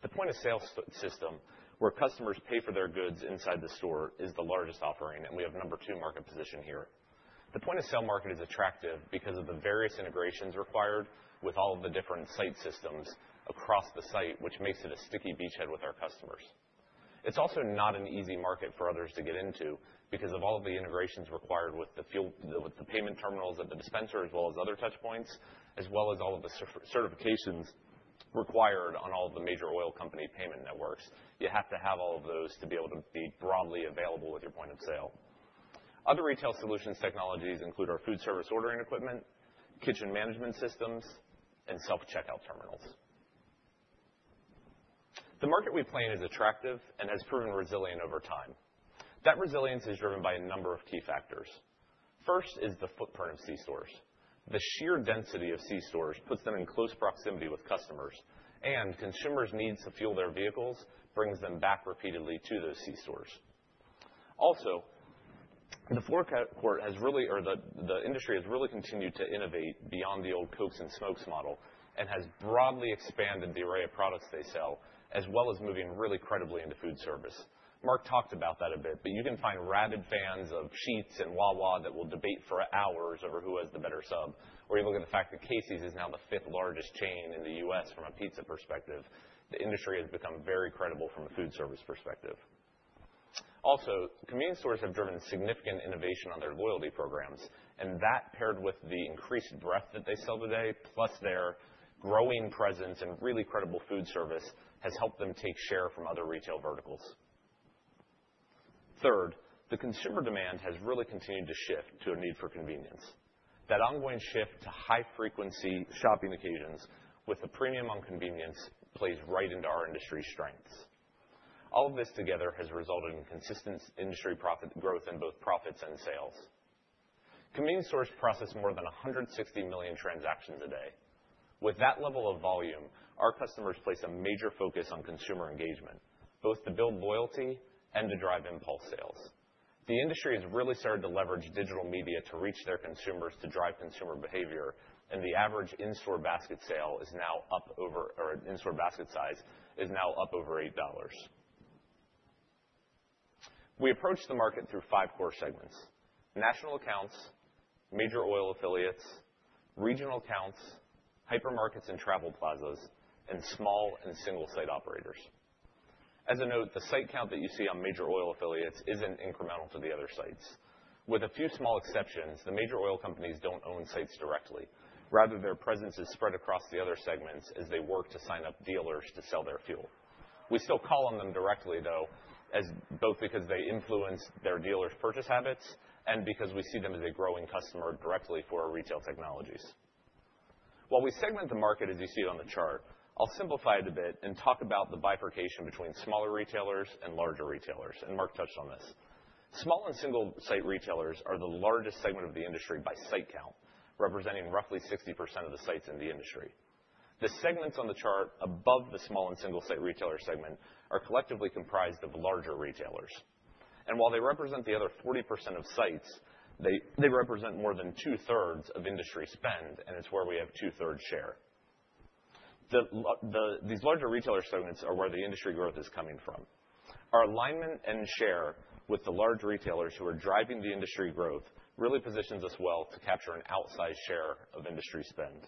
C: The point of sale system, where customers pay for their goods inside the store, is the largest offering, and we have number two market position here. The point of sale market is attractive because of the various integrations required with all of the different site systems across the site, which makes it a sticky beachhead with our customers. It's also not an easy market for others to get into because of all of the integrations required with the payment terminals at the dispenser, as well as other touch points, as well as all of the certifications required on all of the major oil company payment networks. You have to have all of those to be able to be broadly available with your point of sale. Other retail solutions technologies include our food service ordering equipment, kitchen management systems, and self-checkout terminals. The market we play in is attractive and has proven resilient over time. That resilience is driven by a number of key factors. First is the footprint of C stores. The sheer density of C stores puts them in close proximity with customers, and consumers' needs to fuel their vehicles brings them back repeatedly to those C stores. Also, the forecourt has really, or the industry has really continued to innovate beyond the old Cokes and Smokes model and has broadly expanded the array of products they sell, as well as moving really credibly into food service. Mark talked about that a bit, but you can find rabid fans of Sheetz and Wawa that will debate for hours over who has the better sub, or even look at the fact that Casey's is now the fifth largest chain in the U.S. from a pizza perspective. The industry has become very credible from a food service perspective. Also, convenience stores have driven significant innovation on their loyalty programs, and that paired with the increased breadth that they sell today, plus their growing presence and really credible food service, has helped them take share from other retail verticals. Third, the consumer demand has really continued to shift to a need for convenience. That ongoing shift to high-frequency shopping occasions with the premium on convenience plays right into our industry strengths. All of this together has resulted in consistent industry profit growth in both profits and sales. Convenience stores process more than 160 million transactions a day. With that level of volume, our customers place a major focus on consumer engagement, both to build loyalty and to drive impulse sales. The industry has really started to leverage digital media to reach their consumers to drive consumer behavior, and the average in-store basket sale is now up over, or in-store basket size is now up over $8. We approach the market through five core segments: national accounts, major oil affiliates, regional accounts, hypermarkets and travel plazas, and small and single-site operators. As a note, the site count that you see on major oil affiliates isn't incremental to the other sites. With a few small exceptions, the major oil companies don't own sites directly. Rather, their presence is spread across the other segments as they work to sign up dealers to sell their fuel. We still call on them directly, though, both because they influence their dealers' purchase habits and because we see them as a growing customer directly for our retail technologies. While we segment the market as you see on the chart, I'll simplify it a bit and talk about the bifurcation between smaller retailers and larger retailers, and Mark touched on this. Small and single-site retailers are the largest segment of the industry by site count, representing roughly 60% of the sites in the industry. The segments on the chart above the small and single-site retailer segment are collectively comprised of larger retailers, and while they represent the other 40% of sites, they represent more than two-thirds of industry spend, and it's where we have two-thirds share. These larger retailer segments are where the industry growth is coming from. Our alignment and share with the large retailers who are driving the industry growth really positions us well to capture an outsized share of industry spend.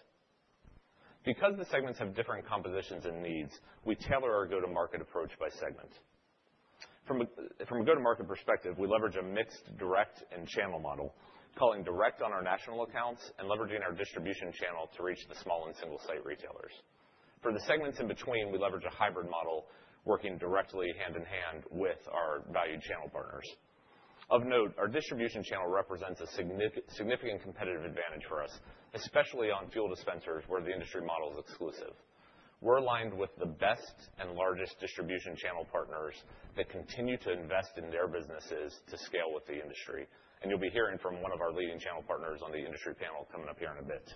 C: Because the segments have different compositions and needs, we tailor our go-to-market approach by segment. From a go-to-market perspective, we leverage a mixed direct and channel model, calling direct on our national accounts and leveraging our distribution channel to reach the small and single-site retailers. For the segments in between, we leverage a hybrid model, working directly hand-in-hand with our valued channel partners. Of note, our distribution channel represents a significant competitive advantage for us, especially on fuel dispensers where the industry model is exclusive. We're aligned with the best and largest distribution channel partners that continue to invest in their businesses to scale with the industry, and you'll be hearing from one of our leading channel partners on the industry panel coming up here in a bit.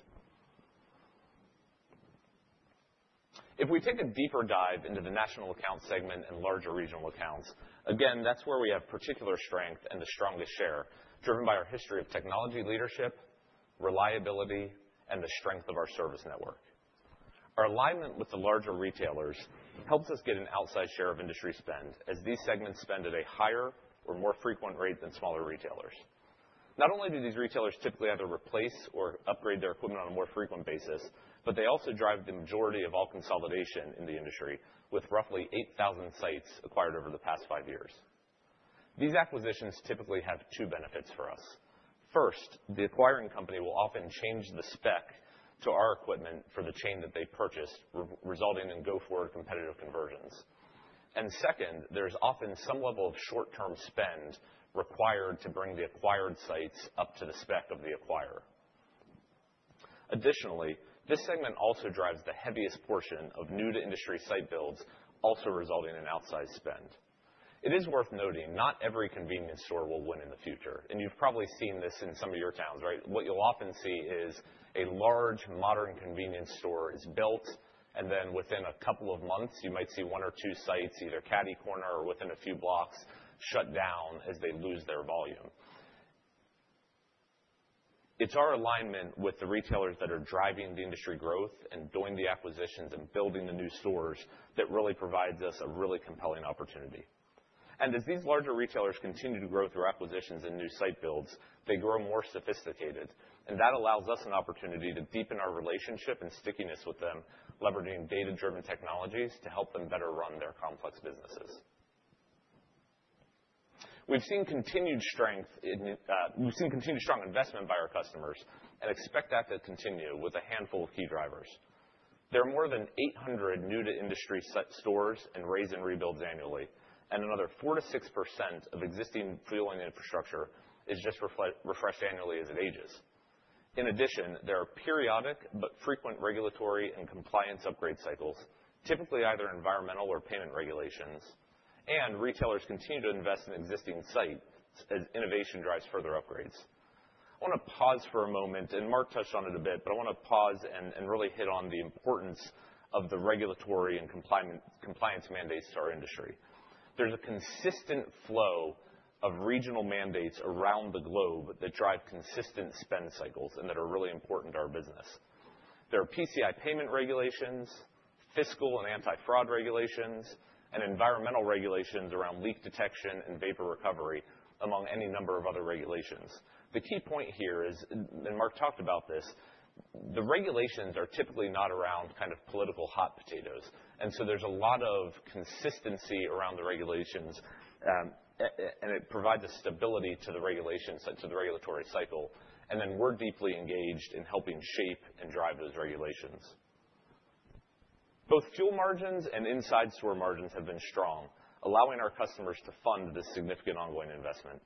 C: If we take a deeper dive into the national account segment and larger regional accounts, again, that's where we have particular strength and the strongest share, driven by our history of technology leadership, reliability, and the strength of our service network. Our alignment with the larger retailers helps us get an outsized share of industry spend, as these segments spend at a higher or more frequent rate than smaller retailers. Not only do these retailers typically either replace or upgrade their equipment on a more frequent basis, but they also drive the majority of all consolidation in the industry with roughly 8,000 sites acquired over the past five years. These acquisitions typically have two benefits for us. First, the acquiring company will often change the spec to our equipment for the chain that they purchased, resulting in go-forward competitive conversions. And second, there's often some level of short-term spend required to bring the acquired sites up to the spec of the acquirer. Additionally, this segment also drives the heaviest portion of new-to-industry site builds, also resulting in outsized spend. It is worth noting not every convenience store will win in the future, and you've probably seen this in some of your towns, right? What you'll often see is a large modern convenience store is built, and then within a couple of months, you might see one or two sites, either catty-corner or within a few blocks, shut down as they lose their volume. It's our alignment with the retailers that are driving the industry growth and doing the acquisitions and building the new stores that really provides us a really compelling opportunity. And as these larger retailers continue to grow through acquisitions and new site builds, they grow more sophisticated, and that allows us an opportunity to deepen our relationship and stickiness with them, leveraging data-driven technologies to help them better run their complex businesses. We've seen continued strength. We've seen continued strong investment by our customers, and expect that to continue with a handful of key drivers. There are more than 800 new-to-industry stores and raze and rebuilds annually, and another 4%-6% of existing fueling infrastructure is just refreshed annually as it ages. In addition, there are periodic but frequent regulatory and compliance upgrade cycles, typically either environmental or payment regulations, and retailers continue to invest in existing sites as innovation drives further upgrades. I want to pause for a moment, and Mark touched on it a bit, but I want to pause and really hit on the importance of the regulatory and compliance mandates to our industry. There's a consistent flow of regional mandates around the globe that drive consistent spend cycles and that are really important to our business. There are PCI payment regulations, fiscal and anti-fraud regulations, and environmental regulations around leak detection and vapor recovery, among any number of other regulations. The key point here is, and Mark talked about this, the regulations are typically not around kind of political hot potatoes, and so there's a lot of consistency around the regulations, and it provides a stability to the regulation cycle, to the regulatory cycle, and then we're deeply engaged in helping shape and drive those regulations. Both fuel margins and inside store margins have been strong, allowing our customers to fund this significant ongoing investment.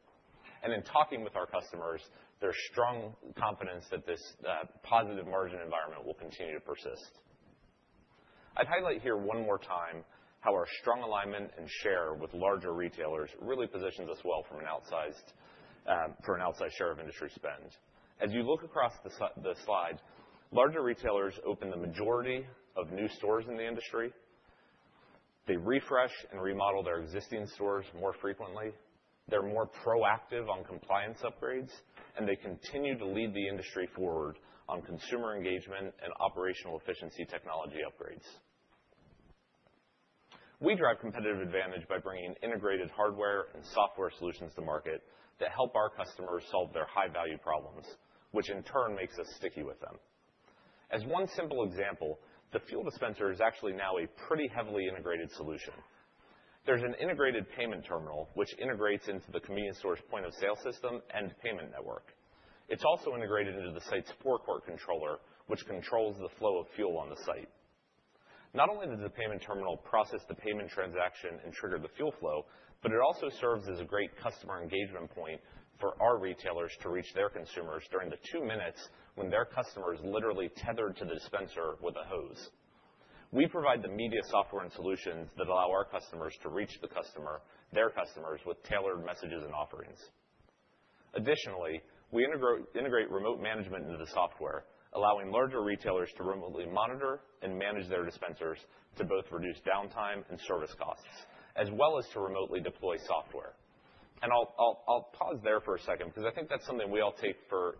C: And in talking with our customers, there's strong confidence that this positive margin environment will continue to persist. I'd highlight here one more time how our strong alignment and share with larger retailers really positions us well from an outsized share of industry spend. As you look across the slide, larger retailers open the majority of new stores in the industry. They refresh and remodel their existing stores more frequently. They're more proactive on compliance upgrades, and they continue to lead the industry forward on consumer engagement and operational efficiency technology upgrades. We drive competitive advantage by bringing integrated hardware and software solutions to market that help our customers solve their high-value problems, which in turn makes us sticky with them. As one simple example, the fuel dispenser is actually now a pretty heavily integrated solution. There's an integrated payment terminal which integrates into the convenience store's point of sale system and payment network. It's also integrated into the site's forecourt controller, which controls the flow of fuel on the site. Not only does the payment terminal process the payment transaction and trigger the fuel flow, but it also serves as a great customer engagement point for our retailers to reach their consumers during the two minutes when their customer is literally tethered to the dispenser with a hose. We provide the media software and solutions that allow our customers to reach the customer, their customers, with tailored messages and offerings. Additionally, we integrate remote management into the software, allowing larger retailers to remotely monitor and manage their dispensers to both reduce downtime and service costs, as well as to remotely deploy software, and I'll pause there for a second because I think that's something we all take for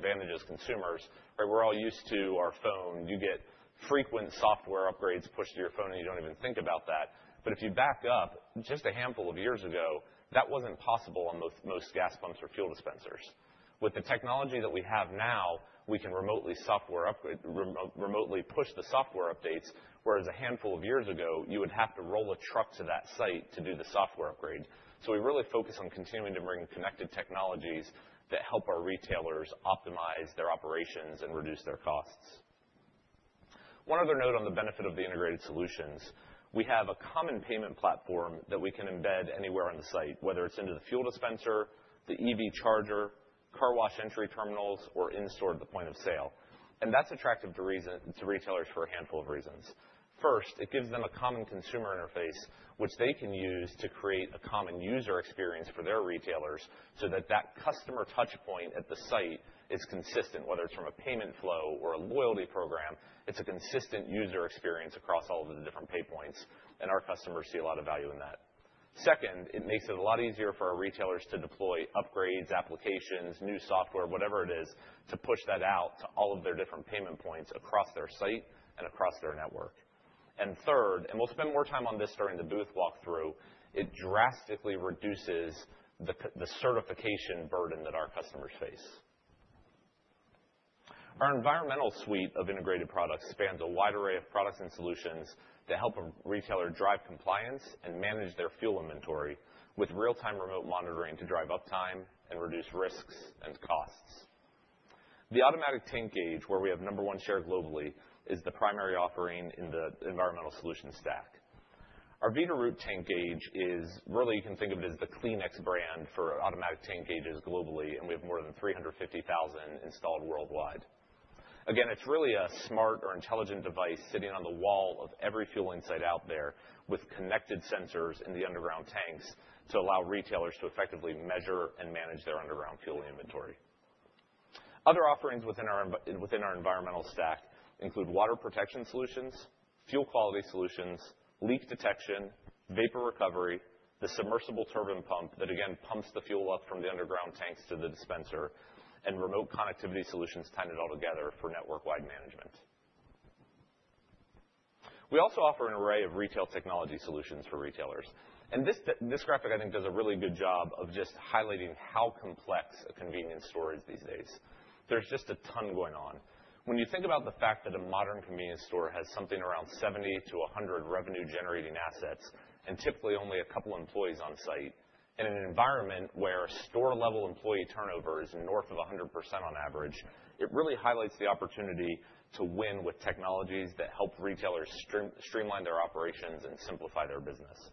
C: granted as consumers, right? We're all used to our phone. You get frequent software upgrades pushed to your phone, and you don't even think about that, but if you back up, just a handful of years ago, that wasn't possible on most gas pumps or fuel dispensers. With the technology that we have now, we can remotely push the software updates, whereas a handful of years ago, you would have to roll a truck to that site to do the software upgrade. So we really focus on continuing to bring connected technologies that help our retailers optimize their operations and reduce their costs. One other note on the benefit of the integrated solutions: we have a common payment platform that we can embed anywhere on the site, whether it's into the fuel dispenser, the EV charger, car wash entry terminals, or in-store at the point of sale. And that's attractive to retailers for a handful of reasons. First, it gives them a common consumer interface, which they can use to create a common user experience for their retailers so that that customer touchpoint at the site is consistent, whether it's from a payment flow or a loyalty program. It's a consistent user experience across all of the different pay points, and our customers see a lot of value in that. Second, it makes it a lot easier for our retailers to deploy upgrades, applications, new software, whatever it is, to push that out to all of their different payment points across their site and across their network. And third, and we'll spend more time on this during the booth walkthrough, it drastically reduces the certification burden that our customers face. Our environmental suite of integrated products spans a wide array of products and solutions that help a retailer drive compliance and manage their fuel inventory with real-time remote monitoring to drive uptime and reduce risks and costs. The automatic tank gauge, where we have number one share globally, is the primary offering in the environmental solution stack. Our Veeder-Root Tank Gauge is really, you can think of it as the Kleenex brand for automatic tank gauges globally, and we have more than 350,000 installed worldwide. Again, it's really a smart or intelligent device sitting on the wall of every fuel site out there with connected sensors in the underground tanks to allow retailers to effectively measure and manage their underground fuel inventory. Other offerings within our environmental stack include water protection solutions, fuel quality solutions, leak detection, vapor recovery, the submersible turbine pump that, again, pumps the fuel up from the underground tanks to the dispenser, and remote connectivity solutions tied it all together for network-wide management. We also offer an array of retail technology solutions for retailers. And this graphic, I think, does a really good job of just highlighting how complex a convenience store is these days. There's just a ton going on. When you think about the fact that a modern convenience store has something around 70-100 revenue-generating assets and typically only a couple of employees on site, in an environment where store-level employee turnover is north of 100% on average, it really highlights the opportunity to win with technologies that help retailers streamline their operations and simplify their business.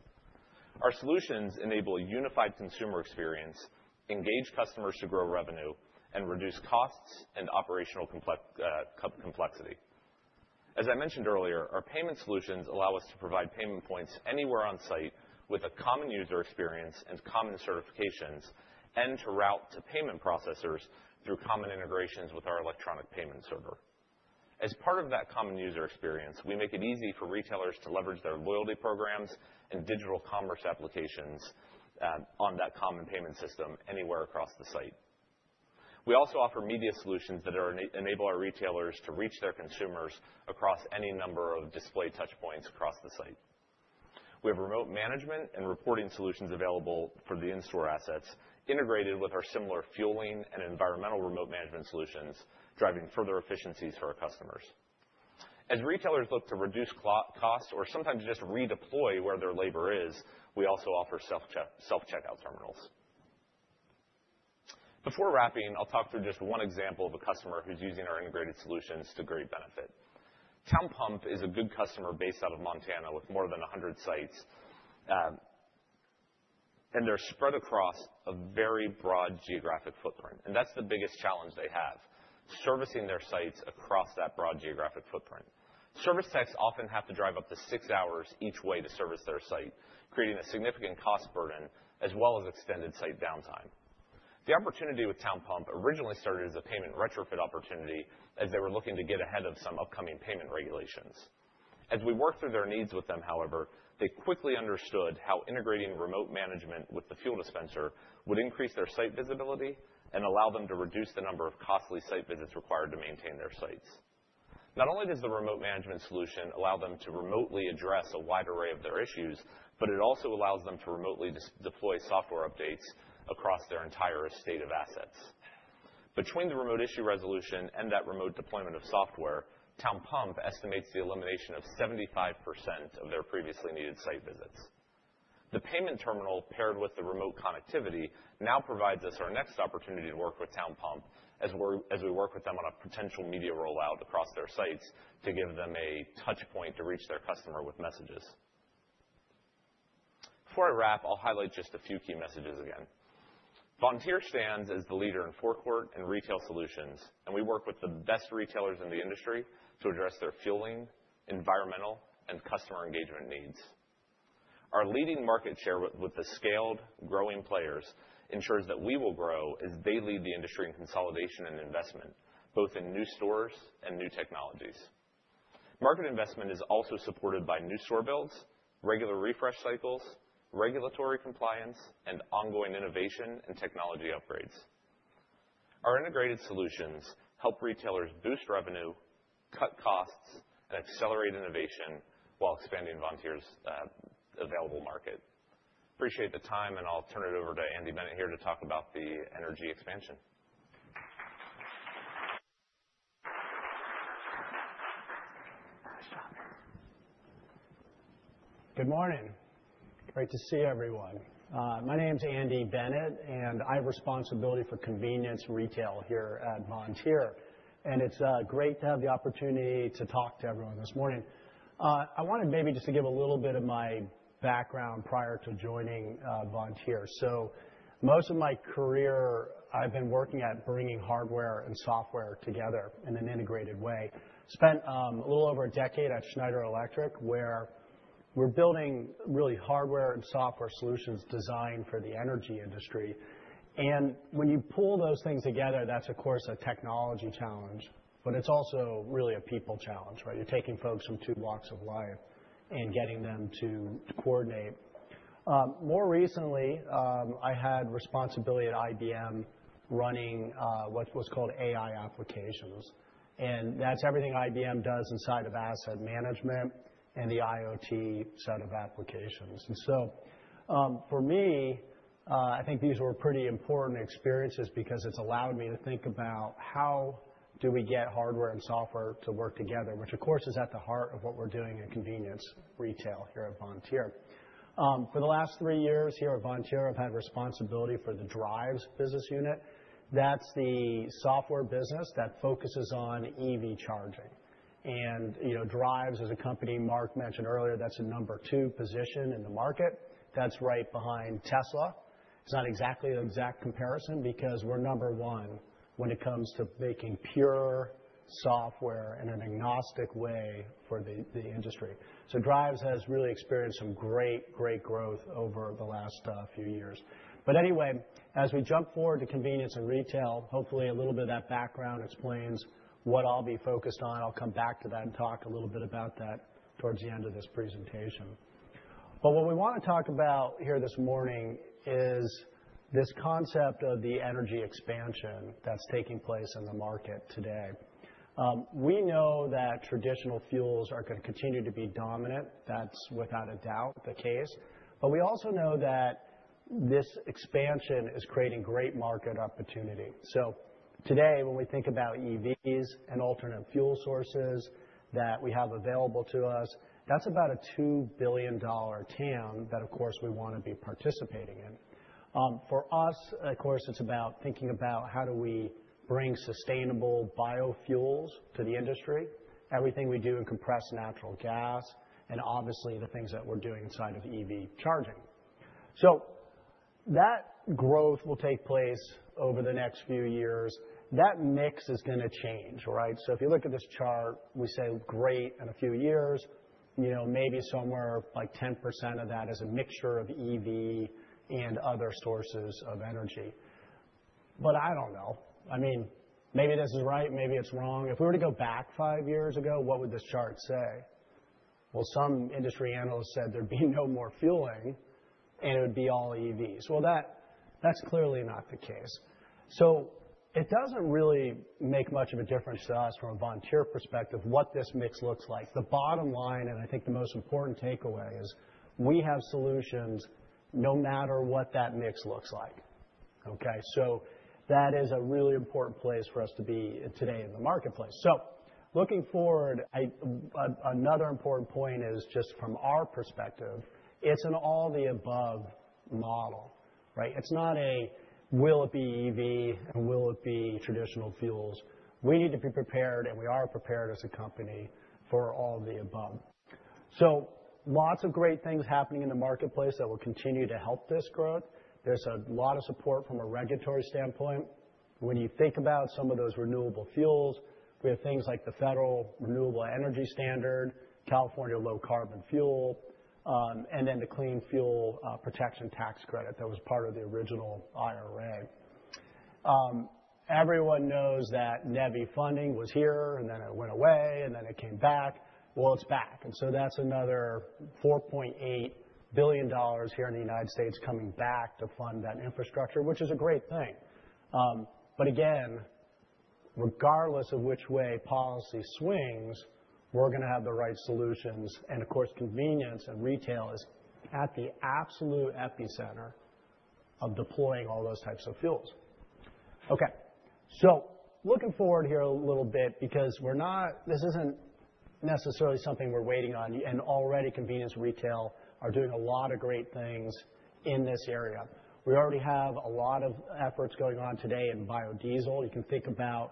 C: Our solutions enable a unified consumer experience, engage customers to grow revenue, and reduce costs and operational complexity. As I mentioned earlier, our payment solutions allow us to provide payment points anywhere on site with a common user experience and common certifications and to route to payment processors through common integrations with our electronic payment server. As part of that common user experience, we make it easy for retailers to leverage their loyalty programs and digital commerce applications on that common payment system anywhere across the site. We also offer media solutions that enable our retailers to reach their consumers across any number of display touchpoints across the site. We have remote management and reporting solutions available for the in-store assets, integrated with our similar fueling and environmental remote management solutions, driving further efficiencies for our customers. As retailers look to reduce costs or sometimes just redeploy where their labor is, we also offer self-checkout terminals. Before wrapping, I'll talk through just one example of a customer who's using our integrated solutions to great benefit. Town Pump is a good customer based out of Montana with more than 100 sites, and they're spread across a very broad geographic footprint, and that's the biggest challenge they have: servicing their sites across that broad geographic footprint. Service techs often have to drive up to six hours each way to service their site, creating a significant cost burden as well as extended site downtime. The opportunity with Town Pump originally started as a payment retrofit opportunity as they were looking to get ahead of some upcoming payment regulations. As we worked through their needs with them, however, they quickly understood how integrating remote management with the fuel dispenser would increase their site visibility and allow them to reduce the number of costly site visits required to maintain their sites. Not only does the remote management solution allow them to remotely address a wide array of their issues, but it also allows them to remotely deploy software updates across their entire estate of assets. Between the remote issue resolution and that remote deployment of software, Town Pump estimates the elimination of 75% of their previously needed site visits. The payment terminal, paired with the remote connectivity, now provides us our next opportunity to work with Town Pump as we work with them on a potential media rollout across their sites to give them a touchpoint to reach their customer with messages. Before I wrap, I'll highlight just a few key messages again. Vontier stands as the leader in forecourt and retail solutions, and we work with the best retailers in the industry to address their fueling, environmental, and customer engagement needs. Our leading market share with the scaled growing players ensures that we will grow as they lead the industry in consolidation and investment, both in new stores and new technologies. Market investment is also supported by new store builds, regular refresh cycles, regulatory compliance, and ongoing innovation and technology upgrades. Our integrated solutions help retailers boost revenue, cut costs, and accelerate innovation while expanding Vontier's available market. Appreciate the time, and I'll turn it over to Andy Bennett here to talk about the energy expansion.
D: Good morning. Great to see everyone. My name's Andy Bennett, and I have responsibility for convenience retail here at Vontier, and it's great to have the opportunity to talk to everyone this morning. I wanted maybe just to give a little bit of my background prior to joining Vontier. So most of my career, I've been working at bringing hardware and software together in an integrated way. Spent a little over a decade at Schneider Electric, where we're building really hardware and software solutions designed for the energy industry. And when you pull those things together, that's, of course, a technology challenge, but it's also really a people challenge, right? You're taking folks from two walks of life and getting them to coordinate. More recently, I had responsibility at IBM running what's called AI applications, and that's everything IBM does inside of asset management and the IoT side of applications. And so for me, I think these were pretty important experiences because it's allowed me to think about how do we get hardware and software to work together, which, of course, is at the heart of what we're doing in convenience retail here at Vontier. For the last three years here at Vontier, I've had responsibility for the Driivz business unit. That's the software business that focuses on EV charging. And Driivz, as a company Mark mentioned earlier, that's a number two position in the market. That's right behind Tesla. It's not exactly the exact comparison because we're number one when it comes to making pure software in an agnostic way for the industry. So Driivz has really experienced some great, great growth over the last few years. But anyway, as we jump forward to convenience and retail, hopefully a little bit of that background explains what I'll be focused on. I'll come back to that and talk a little bit about that towards the end of this presentation. But what we want to talk about here this morning is this concept of the energy expansion that's taking place in the market today. We know that traditional fuels are going to continue to be dominant. That's without a doubt the case. But we also know that this expansion is creating great market opportunity. So today, when we think about EVs and alternate fuel sources that we have available to us, that's about a $2 billion TAM that, of course, we want to be participating in. For us, of course, it's about thinking about how do we bring sustainable biofuels to the industry, everything we do in compressed natural gas, and obviously the things that we're doing inside of EV charging. So that growth will take place over the next few years. That mix is going to change, right? So if you look at this chart, we say great in a few years, maybe somewhere like 10% of that is a mixture of EV and other sources of energy. But I don't know. I mean, maybe this is right, maybe it's wrong. If we were to go back five years ago, what would this chart say? Well, some industry analysts said there'd be no more fueling, and it would be all EVs. Well, that's clearly not the case. So it doesn't really make much of a difference to us from a Vontier perspective what this mix looks like. The bottom line, and I think the most important takeaway, is we have solutions no matter what that mix looks like, okay? So that is a really important place for us to be today in the marketplace. So looking forward, another important point is just from our perspective, it's an all-the-above model, right? It's not a will it be EV and will it be traditional fuels. We need to be prepared, and we are prepared as a company for all the above. So lots of great things happening in the marketplace that will continue to help this growth. There's a lot of support from a regulatory standpoint. When you think about some of those renewable fuels, we have things like the federal renewable energy standard, California Low Carbon Fuel, and then the Clean Fuel Production Credit that was part of the original IRA. Everyone knows that NEVI funding was here, and then it went away, and then it came back. Well, it's back. And so that's another $4.8 billion here in the United States coming back to fund that infrastructure, which is a great thing. But again, regardless of which way policy swings, we're going to have the right solutions. And of course, convenience and retail is at the absolute epicenter of deploying all those types of fuels. Okay. So looking forward here a little bit because this isn't necessarily something we're waiting on, and already convenience retail are doing a lot of great things in this area. We already have a lot of efforts going on today in biodiesel. You can think about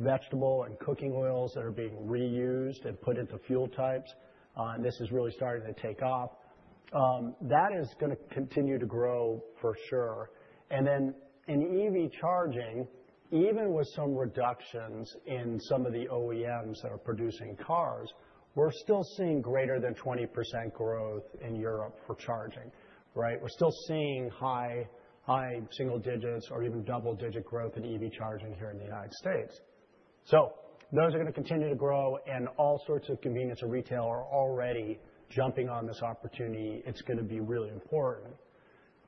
D: vegetable and cooking oils that are being reused and put into fuel types, and this is really starting to take off. That is going to continue to grow for sure. And then in EV charging, even with some reductions in some of the OEMs that are producing cars, we're still seeing greater than 20% growth in Europe for charging, right? We're still seeing high single digits or even double-digit growth in EV charging here in the United States. So those are going to continue to grow, and all sorts of convenience retail are already jumping on this opportunity. It's going to be really important.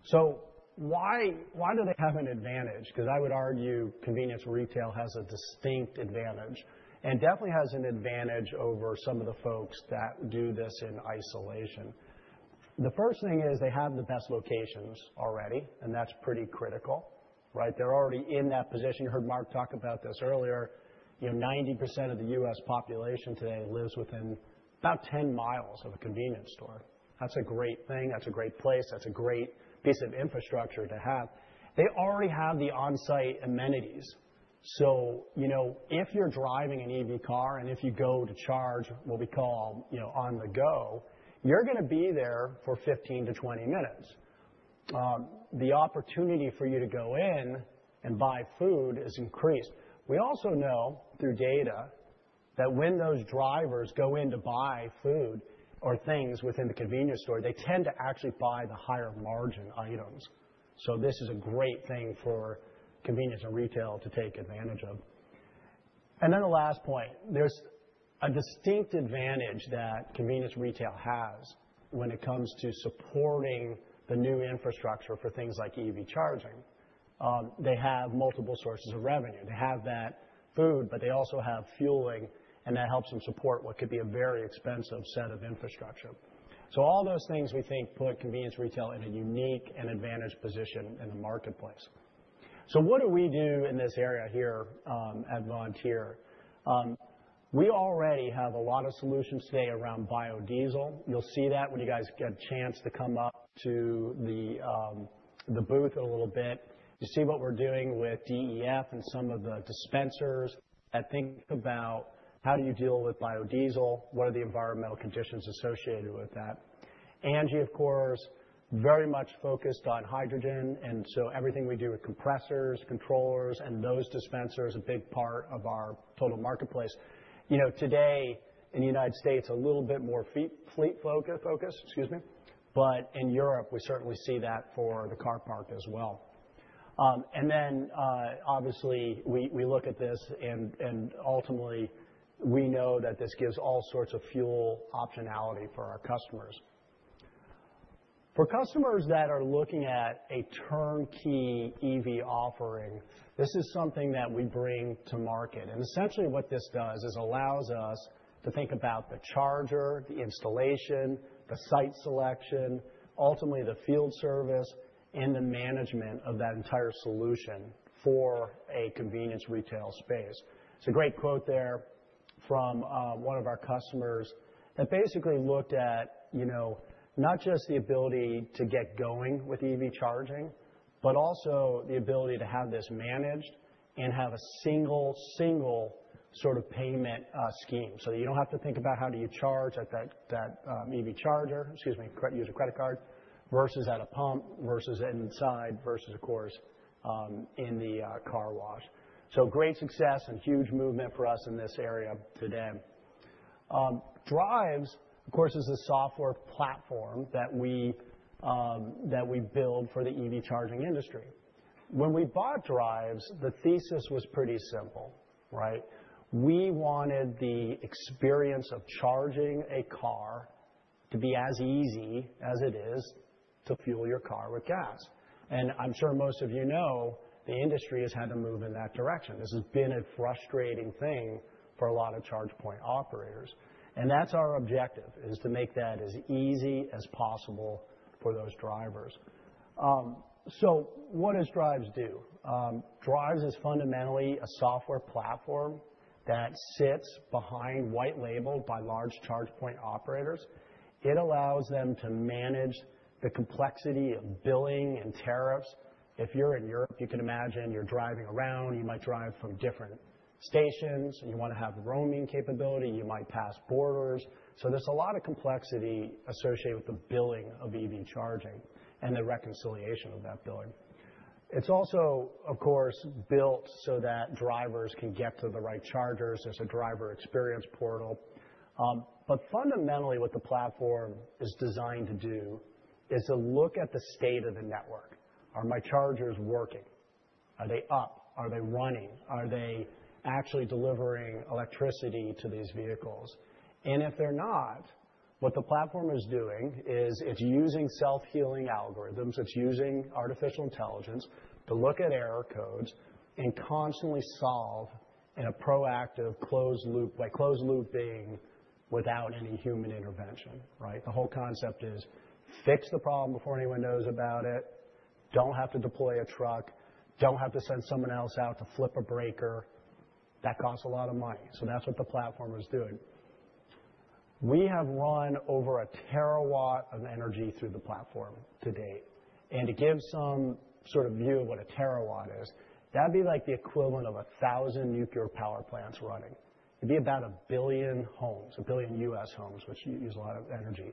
D: So why do they have an advantage? Because I would argue convenience retail has a distinct advantage and definitely has an advantage over some of the folks that do this in isolation. The first thing is they have the best locations already, and that's pretty critical, right? They're already in that position. You heard Mark talk about this earlier. 90% of the U.S. population today lives within about 10 miles of a convenience store. That's a great thing. That's a great place. That's a great piece of infrastructure to have. They already have the on-site amenities. So if you're driving an EV car and if you go to charge what we call on the go, you're going to be there for 15-20 minutes. The opportunity for you to go in and buy food is increased. We also know through data that when those drivers go in to buy food or things within the convenience store, they tend to actually buy the higher margin items. So this is a great thing for convenience and retail to take advantage of. And then the last point, there's a distinct advantage that convenience retail has when it comes to supporting the new infrastructure for things like EV charging. They have multiple sources of revenue. They have that food, but they also have fueling, and that helps them support what could be a very expensive set of infrastructure. So all those things we think put convenience retail in a unique and advantaged position in the marketplace. So what do we do in this area here at Vontier? We already have a lot of solutions today around biodiesel. You'll see that when you guys get a chance to come up to the booth in a little bit. You see what we're doing with DEF and some of the dispensers that think about how do you deal with biodiesel, what are the environmental conditions associated with that. ANGI, of course, very much focused on hydrogen, and so everything we do with compressors, controllers, and those dispensers is a big part of our total marketplace. Today in the United States, a little bit more fleet focus, excuse me, but in Europe, we certainly see that for the car park as well, and then obviously we look at this, and ultimately we know that this gives all sorts of fuel optionality for our customers. For customers that are looking at a turnkey EV offering, this is something that we bring to market. And essentially what this does is allows us to think about the charger, the installation, the site selection, ultimately the field service, and the management of that entire solution for a convenience retail space. It's a great quote there from one of our customers that basically looked at not just the ability to get going with EV charging, but also the ability to have this managed and have a single sort of payment scheme so that you don't have to think about how do you charge at that EV charger, excuse me, use a credit card versus at a pump versus inside versus, of course, in the car wash. So great success and huge movement for us in this area today. Driivz, of course, is a software platform that we build for the EV charging industry. When we bought Driivz, the thesis was pretty simple, right? We wanted the experience of charging a car to be as easy as it is to fuel your car with gas. And I'm sure most of you know the industry has had to move in that direction. This has been a frustrating thing for a lot of charge point operators. And that's our objective, is to make that as easy as possible for those drivers. So what does Driivz do? Driivz is fundamentally a software platform that sits behind white label by large charge point operators. It allows them to manage the complexity of billing and tariffs. If you're in Europe, you can imagine you're driving around. You might drive from different stations, and you want to have roaming capability. You might pass borders. So there's a lot of complexity associated with the billing of EV charging and the reconciliation of that billing. It's also, of course, built so that drivers can get to the right chargers. There's a driver experience portal. But fundamentally, what the platform is designed to do is to look at the state of the network. Are my chargers working? Are they up? Are they running? Are they actually delivering electricity to these vehicles? And if they're not, what the platform is doing is it's using self-healing algorithms. It's using artificial intelligence to look at error codes and constantly solve in a proactive closed loop, by closed loop being without any human intervention, right? The whole concept is fix the problem before anyone knows about it. Don't have to deploy a truck. Don't have to send someone else out to flip a breaker. That costs a lot of money. So that's what the platform is doing. We have run over a terawatt of energy through the platform to date. And to give some sort of view of what a terawatt is, that'd be like the equivalent of 1,000 nuclear power plants running. It'd be about a billion homes, a billion U.S. homes, which use a lot of energy.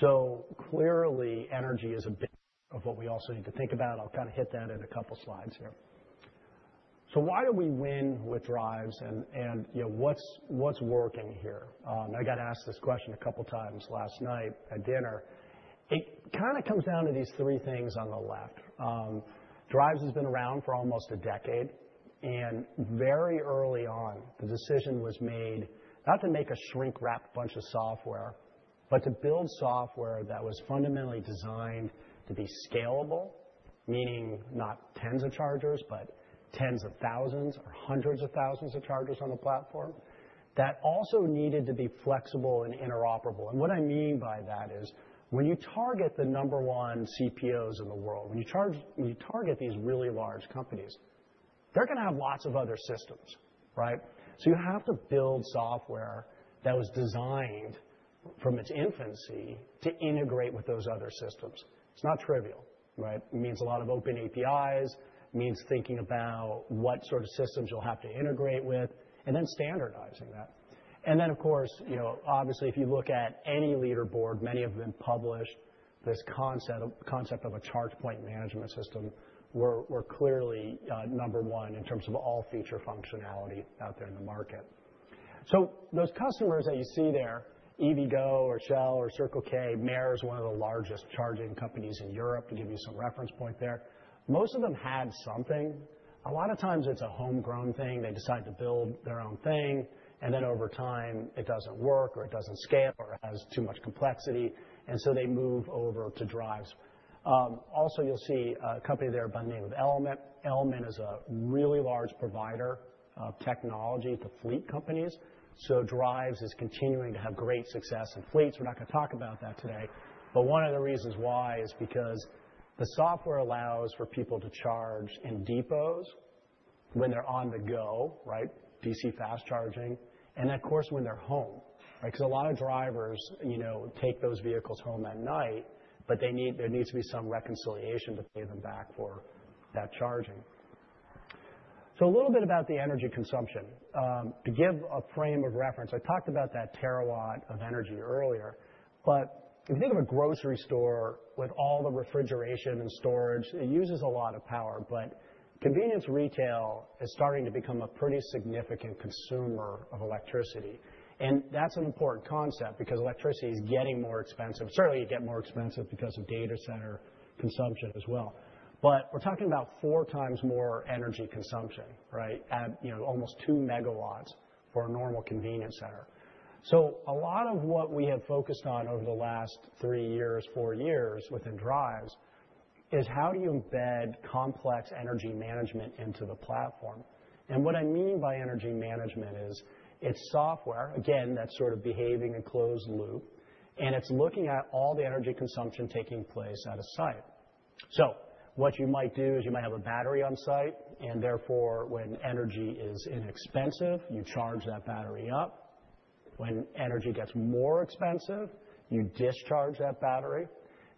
D: So clearly, energy is a bit of what we also need to think about. I'll kind of hit that in a couple of slides here. So why do we win with Driivz? And what's working here? I got asked this question a couple of times last night at dinner. It kind of comes down to these three things on the left. Driivz has been around for almost a decade. And very early on, the decision was made not to make a shrink-wrap bunch of software, but to build software that was fundamentally designed to be scalable, meaning not tens of chargers, but tens of thousands or hundreds of thousands of chargers on the platform that also needed to be flexible and interoperable. And what I mean by that is when you target the number one CPOs in the world, when you target these really large companies, they're going to have lots of other systems, right? So you have to build software that was designed from its infancy to integrate with those other systems. It's not trivial, right? It means a lot of open APIs. It means thinking about what sort of systems you'll have to integrate with and then standardizing that. And then, of course, obviously, if you look at any leaderboard, many of them published this concept of a charge point management system. We're clearly number one in terms of all feature functionality out there in the market. So those customers that you see there, EVgo or Shell or Circle K, Mer is one of the largest charging companies in Europe to give you some reference point there. Most of them had something. A lot of times it's a homegrown thing. They decide to build their own thing. And then over time, it doesn't work or it doesn't scale or it has too much complexity. And so they move over to Driivz. Also, you'll see a company there by the name of Element. Element is a really large provider of technology to fleet companies. So Driivz is continuing to have great success in fleets. We're not going to talk about that today. But one of the reasons why is because the software allows for people to charge in depots when they're on the go, right? DC fast charging. And then, of course, when they're home, right? Because a lot of drivers take those vehicles home at night, but there needs to be some reconciliation to pay them back for that charging. So a little bit about the energy consumption. To give a frame of reference, I talked about that terawatt of energy earlier. But if you think of a grocery store with all the refrigeration and storage, it uses a lot of power. But convenience retail is starting to become a pretty significant consumer of electricity. And that's an important concept because electricity is getting more expensive. Certainly, you get more expensive because of data center consumption as well. But we're talking about four times more energy consumption, right? Almost two megawatts for a normal convenience center. So a lot of what we have focused on over the last three years, four years within Driivz is how do you embed complex energy management into the platform? And what I mean by energy management is it's software, again, that's sort of behaving in closed loop, and it's looking at all the energy consumption taking place at a site. So what you might do is you might have a battery on site, and therefore when energy is inexpensive, you charge that battery up. When energy gets more expensive, you discharge that battery.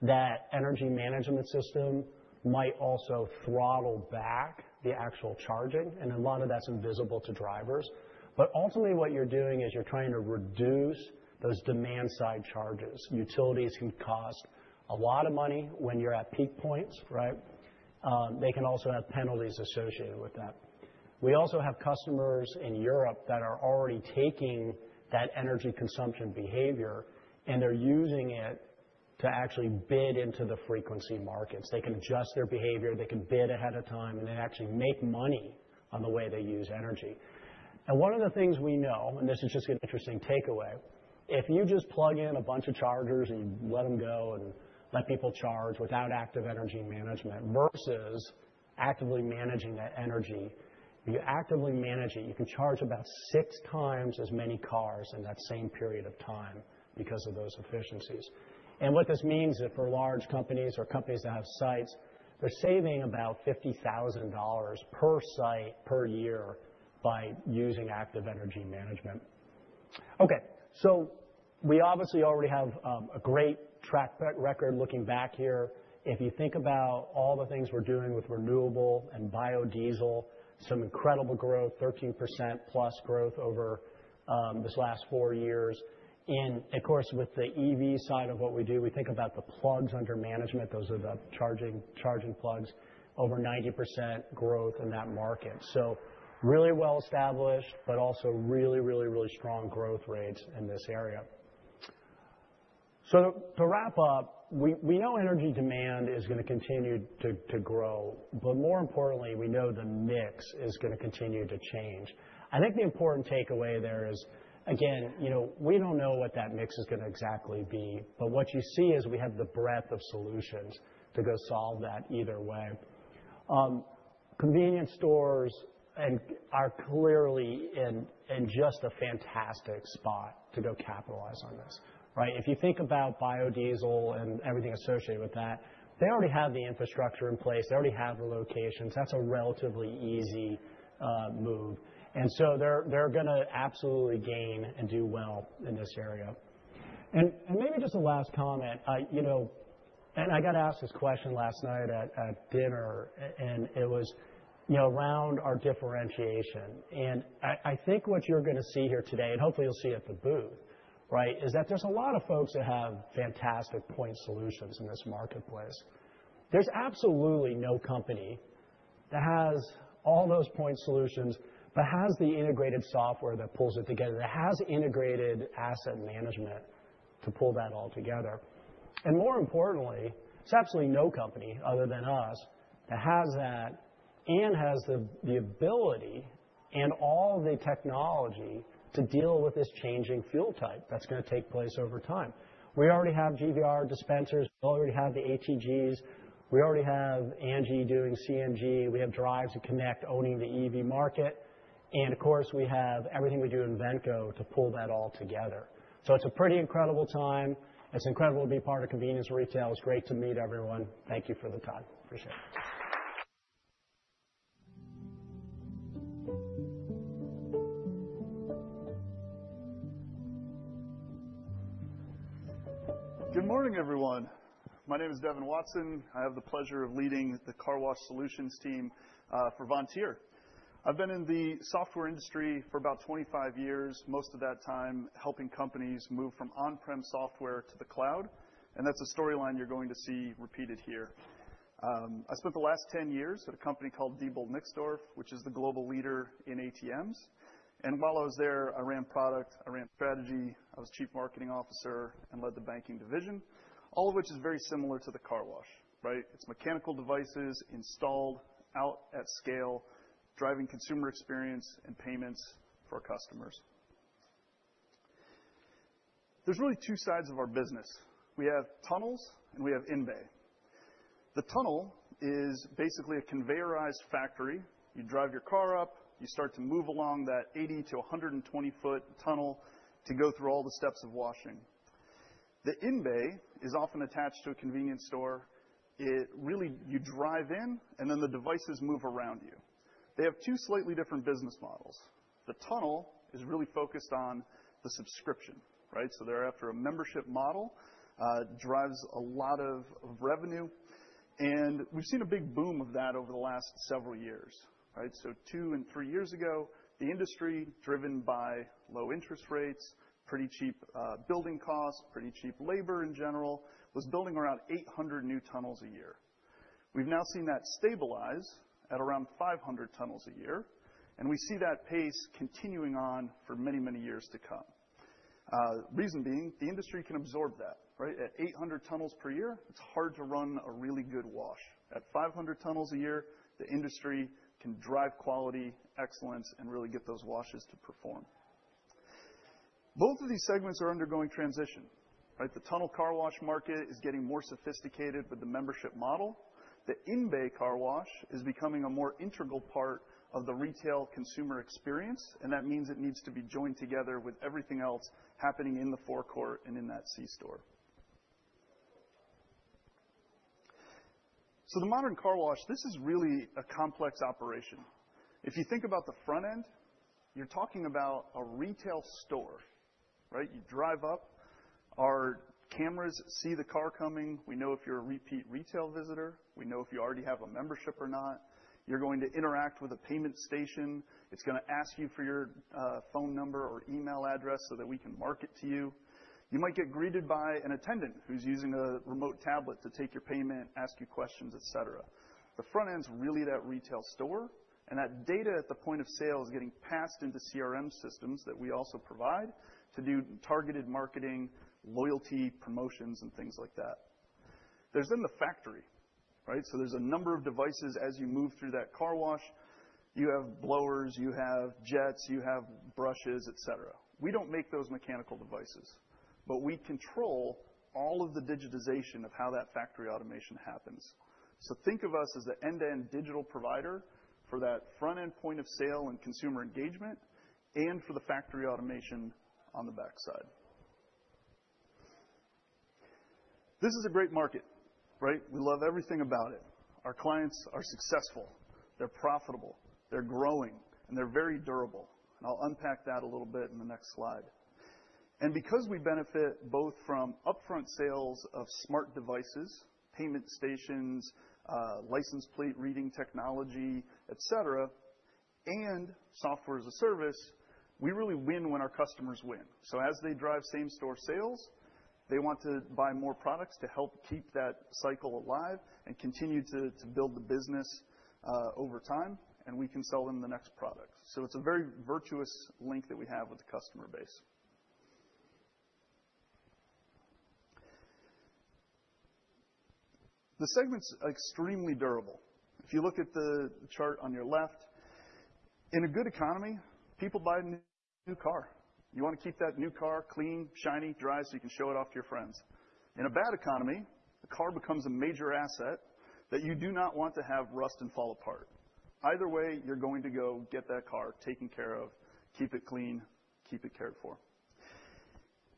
D: That energy management system might also throttle back the actual charging. And a lot of that's invisible to drivers. But ultimately, what you're doing is you're trying to reduce those demand-side charges. Utilities can cost a lot of money when you're at peak points, right? They can also have penalties associated with that. We also have customers in Europe that are already taking that energy consumption behavior, and they're using it to actually bid into the frequency markets. They can adjust their behavior. They can bid ahead of time, and they actually make money on the way they use energy, and one of the things we know, and this is just an interesting takeaway, if you just plug in a bunch of chargers and let them go and let people charge without active energy management versus actively managing that energy, if you actively manage it, you can charge about six times as many cars in that same period of time because of those efficiencies. And what this means is for large companies or companies that have sites, they're saving about $50,000 per site per year by using active energy management. Okay. So we obviously already have a great track record looking back here. If you think about all the things we're doing with renewable and biodiesel, some incredible growth, 13% plus growth over this last four years. And of course, with the EV side of what we do, we think about the plugs under management. Those are the charging plugs, over 90% growth in that market. So really well-established, but also really, really, really strong growth rates in this area. So to wrap up, we know energy demand is going to continue to grow, but more importantly, we know the mix is going to continue to change. I think the important takeaway there is, again, we don't know what that mix is going to exactly be, but what you see is we have the breadth of solutions to go solve that either way. Convenience stores are clearly in just a fantastic spot to go capitalize on this, right? If you think about biodiesel and everything associated with that, they already have the infrastructure in place. They already have the locations. That's a relatively easy move, and so they're going to absolutely gain and do well in this area, and maybe just a last comment, and I got asked this question last night at dinner, and it was around our differentiation, and I think what you're going to see here today, and hopefully you'll see at the booth, right, is that there's a lot of folks that have fantastic point solutions in this marketplace. There's absolutely no company that has all those point solutions, but has the integrated software that pulls it together, that has integrated asset management to pull that all together. And more importantly, there's absolutely no company other than us that has that and has the ability and all the technology to deal with this changing fuel type that's going to take place over time. We already have GVR dispensers. We already have the ATGs. We already have ANGI doing CNG. We have Driivz and Konect owning the EV market. And of course, we have everything we do in Vontier to pull that all together. So it's a pretty incredible time. It's incredible to be part of convenience retail. It's great to meet everyone. Thank you for the time. Appreciate it.
E: Good morning, everyone. My name is Devon Watson. I have the pleasure of leading the Car Wash Solutions team for Vontier. I've been in the software industry for about 25 years, most of that time helping companies move from on-prem software to the cloud, and that's a storyline you're going to see repeated here. I spent the last 10 years at a company called Diebold Nixdorf, which is the global leader in ATMs, and while I was there, I ran product. I ran strategy. I was Chief Marketing Officer and led the banking division, all of which is very similar to the car wash, right? It's mechanical devices installed out at scale, driving consumer experience and payments for customers. There's really two sides of our business. We have tunnels and we have in-bay. The tunnel is basically a conveyorized factory. You drive your car up. You start to move along that 80-120-foot tunnel to go through all the steps of washing. The in-bay is often attached to a convenience store. Really, you drive in, and then the devices move around you. They have two slightly different business models. The tunnel is really focused on the subscription, right, so they're after a membership model, drives a lot of revenue and we've seen a big boom of that over the last several years, right, so two and three years ago, the industry driven by low interest rates, pretty cheap building costs, pretty cheap labor in general, was building around 800 new tunnels a year. We've now seen that stabilize at around 500 tunnels a year and we see that pace continuing on for many, many years to come. Reason being, the industry can absorb that, right? At 800 tunnels per year, it's hard to run a really good wash. At 500 tunnels a year, the industry can drive quality, excellence, and really get those washes to perform. Both of these segments are undergoing transition, right? The tunnel car wash market is getting more sophisticated with the membership model. The in-bay car wash is becoming a more integral part of the retail consumer experience, and that means it needs to be joined together with everything else happening in the forecourt and in that c-store, so the modern car wash, this is really a complex operation. If you think about the front end, you're talking about a retail store, right? You drive up. Our cameras see the car coming. We know if you're a repeat retail visitor. We know if you already have a membership or not. You're going to interact with a payment station. It's going to ask you for your phone number or email address so that we can market to you. You might get greeted by an attendant who's using a remote tablet to take your payment, ask you questions, etc. The front end's really that retail store. And that data at the point of sale is getting passed into CRM systems that we also provide to do targeted marketing, loyalty promotions, and things like that. There's then the factory, right? So there's a number of devices as you move through that car wash. You have blowers, you have jets, you have brushes, etc. We don't make those mechanical devices, but we control all of the digitization of how that factory automation happens. So think of us as the end-to-end digital provider for that front-end point of sale and consumer engagement and for the factory automation on the backside. This is a great market, right? We love everything about it. Our clients are successful. They're profitable. They're growing, and they're very durable. And I'll unpack that a little bit in the next slide. And because we benefit both from upfront sales of smart devices, payment stations, license plate reading technology, etc., and software as a service, we really win when our customers win. So as they drive same-store sales, they want to buy more products to help keep that cycle alive and continue to build the business over time, and we can sell them the next products. So it's a very virtuous link that we have with the customer base. The segment's extremely durable. If you look at the chart on your left, in a good economy, people buy a new car. You want to keep that new car clean, shiny, dry so you can show it off to your friends. In a bad economy, the car becomes a major asset that you do not want to have rust and fall apart. Either way, you're going to go get that car taken care of, keep it clean, keep it cared for.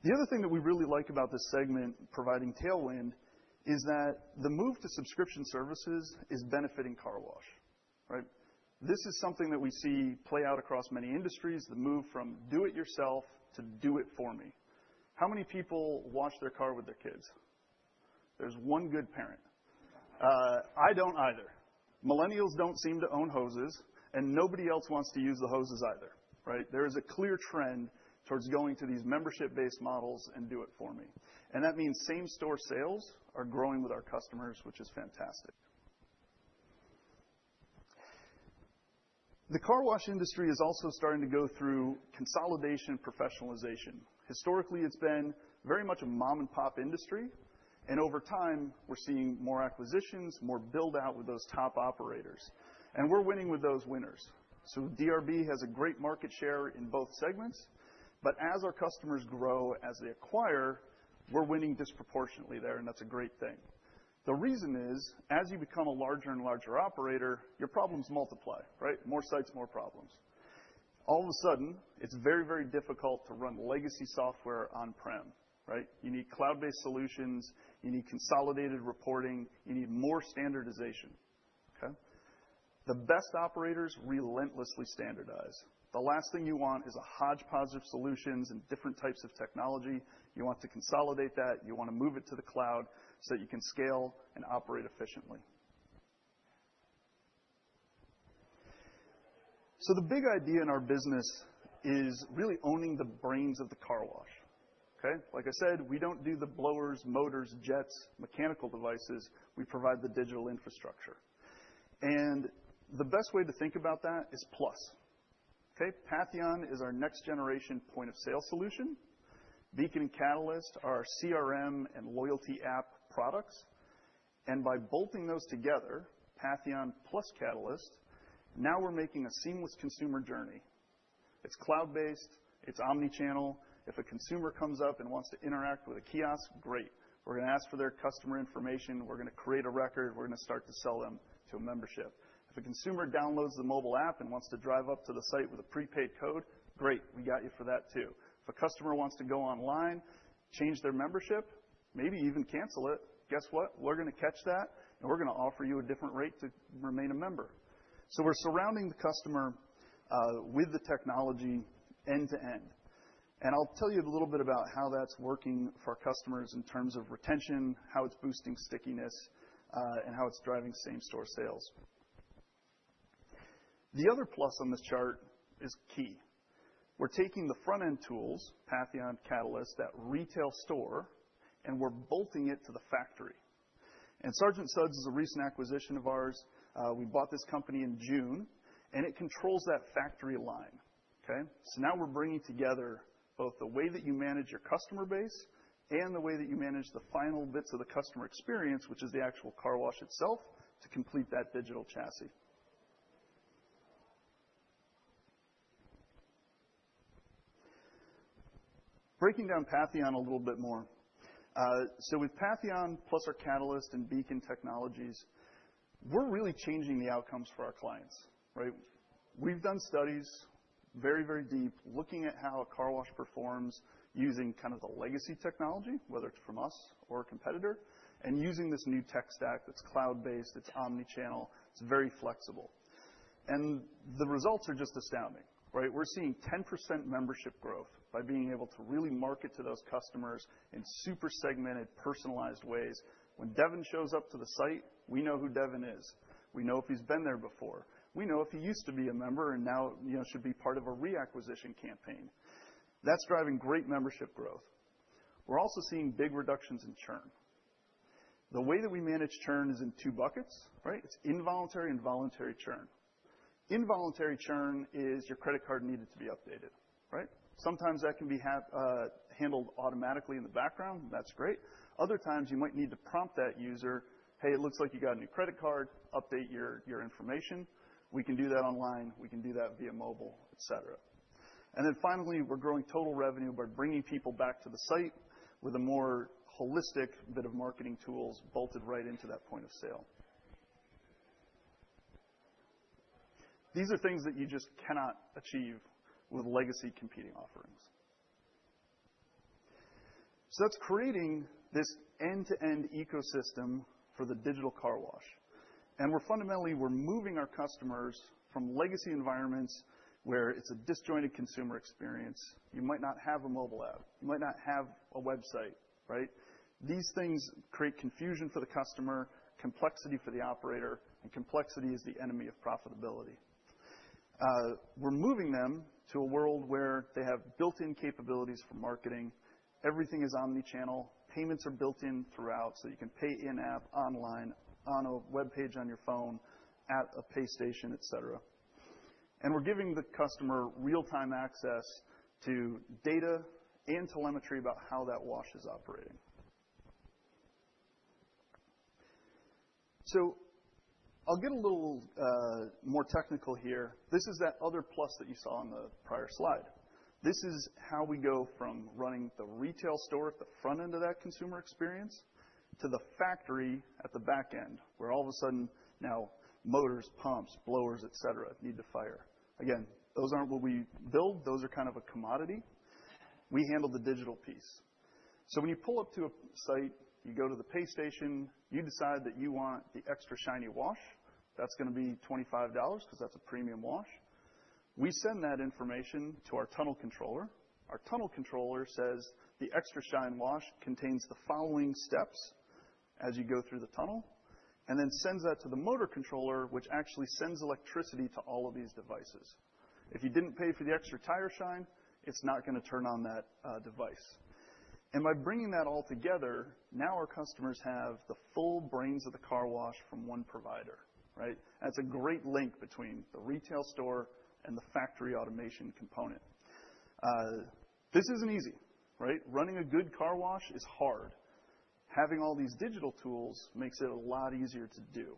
E: The other thing that we really like about this segment providing tailwind is that the move to subscription services is benefiting car wash, right? This is something that we see play out across many industries, the move from do-it-yourself to do-it-for-me. How many people wash their car with their kids? There's one good parent. I don't either. Millennials don't seem to own hoses, and nobody else wants to use the hoses either, right? There is a clear trend towards going to these membership-based models and do-it-for-me. That means same-store sales are growing with our customers, which is fantastic. The car wash industry is also starting to go through consolidation and professionalization. Historically, it's been very much a mom-and-pop industry. Over time, we're seeing more acquisitions, more build-out with those top operators. We're winning with those winners. DRB has a great market share in both segments. As our customers grow, as they acquire, we're winning disproportionately there, and that's a great thing. The reason is, as you become a larger and larger operator, your problems multiply, right? More sites, more problems. All of a sudden, it's very, very difficult to run legacy software on-prem, right? You need cloud-based solutions. You need consolidated reporting. You need more standardization, okay? The best operators relentlessly standardize. The last thing you want is a hodgepodge of solutions and different types of technology. You want to consolidate that. You want to move it to the cloud so that you can scale and operate efficiently, so the big idea in our business is really owning the brains of the car wash, okay? Like I said, we don't do the blowers, motors, jets, mechanical devices. We provide the digital infrastructure, and the best way to think about that is Plus, okay? Patheon is our next-generation point-of-sale solution. Beacon and Catalyst are our CRM and loyalty app products, and by bolting those together, Patheon plus Catalyst, now we're making a seamless consumer journey. It's cloud-based. It's omni-channel. If a consumer comes up and wants to interact with a kiosk, great. We're going to ask for their customer information. We're going to create a record. We're going to start to sell them to a membership. If a consumer downloads the mobile app and wants to drive up to the site with a prepaid code, great. We got you for that too. If a customer wants to go online, change their membership, maybe even cancel it, guess what? We're going to catch that, and we're going to offer you a different rate to remain a member, so we're surrounding the customer with the technology end-to-end, and I'll tell you a little bit about how that's working for our customers in terms of retention, how it's boosting stickiness, and how it's driving same-store sales. The other plus on this chart is key. We're taking the front-end tools, Patheon, Catalyst, that retail store, and we're bolting it to the factory, and Sergeant Suds is a recent acquisition of ours. We bought this company in June, and it controls that factory line, okay? So now we're bringing together both the way that you manage your customer base and the way that you manage the final bits of the customer experience, which is the actual car wash itself, to complete that digital chassis. Breaking down Patheon a little bit more. So with Patheon plus our Catalyst and Beacon technologies, we're really changing the outcomes for our clients, right? We've done studies very, very deep looking at how a car wash performs using kind of the legacy technology, whether it's from us or a competitor, and using this new tech stack that's cloud-based. It's omnichannel. It's very flexible. And the results are just astounding, right? We're seeing 10% membership growth by being able to really market to those customers in super segmented, personalized ways. When Devin shows up to the site, we know who Devin is. We know if he's been there before. We know if he used to be a member and now should be part of a reacquisition campaign. That's driving great membership growth. We're also seeing big reductions in churn. The way that we manage churn is in two buckets, right? It's involuntary and voluntary churn. Involuntary churn is your credit card needed to be updated, right? Sometimes that can be handled automatically in the background. That's great. Other times, you might need to prompt that user, "Hey, it looks like you got a new credit card. Update your information." We can do that online. We can do that via mobile, etc., and then finally, we're growing total revenue by bringing people back to the site with a more holistic bit of marketing tools bolted right into that point of sale. These are things that you just cannot achieve with legacy competing offerings. That's creating this end-to-end ecosystem for the digital car wash. Fundamentally, we're moving our customers from legacy environments where it's a disjointed consumer experience. You might not have a mobile app. You might not have a website, right? These things create confusion for the customer, complexity for the operator, and complexity is the enemy of profitability. We're moving them to a world where they have built-in capabilities for marketing. Everything is omnichannel. Payments are built-in throughout. You can pay in-app, online, on a web page on your phone, at a pay station, etc. We're giving the customer real-time access to data and telemetry about how that wash is operating. I'll get a little more technical here. This is that other plus that you saw on the prior slide. This is how we go from running the retail store at the front end of that consumer experience to the factory at the back end where all of a sudden now motors, pumps, blowers, etc. need to fire. Again, those aren't what we build. Those are kind of a commodity. We handle the digital piece. So when you pull up to a site, you go to the pay station, you decide that you want the extra shiny wash. That's going to be $25 because that's a premium wash. We send that information to our tunnel controller. Our tunnel controller says the extra shine wash contains the following steps as you go through the tunnel and then sends that to the motor controller, which actually sends electricity to all of these devices. If you didn't pay for the extra tire shine, it's not going to turn on that device. And by bringing that all together, now our customers have the full brains of the car wash from one provider, right? That's a great link between the retail store and the factory automation component. This isn't easy, right? Running a good car wash is hard. Having all these digital tools makes it a lot easier to do.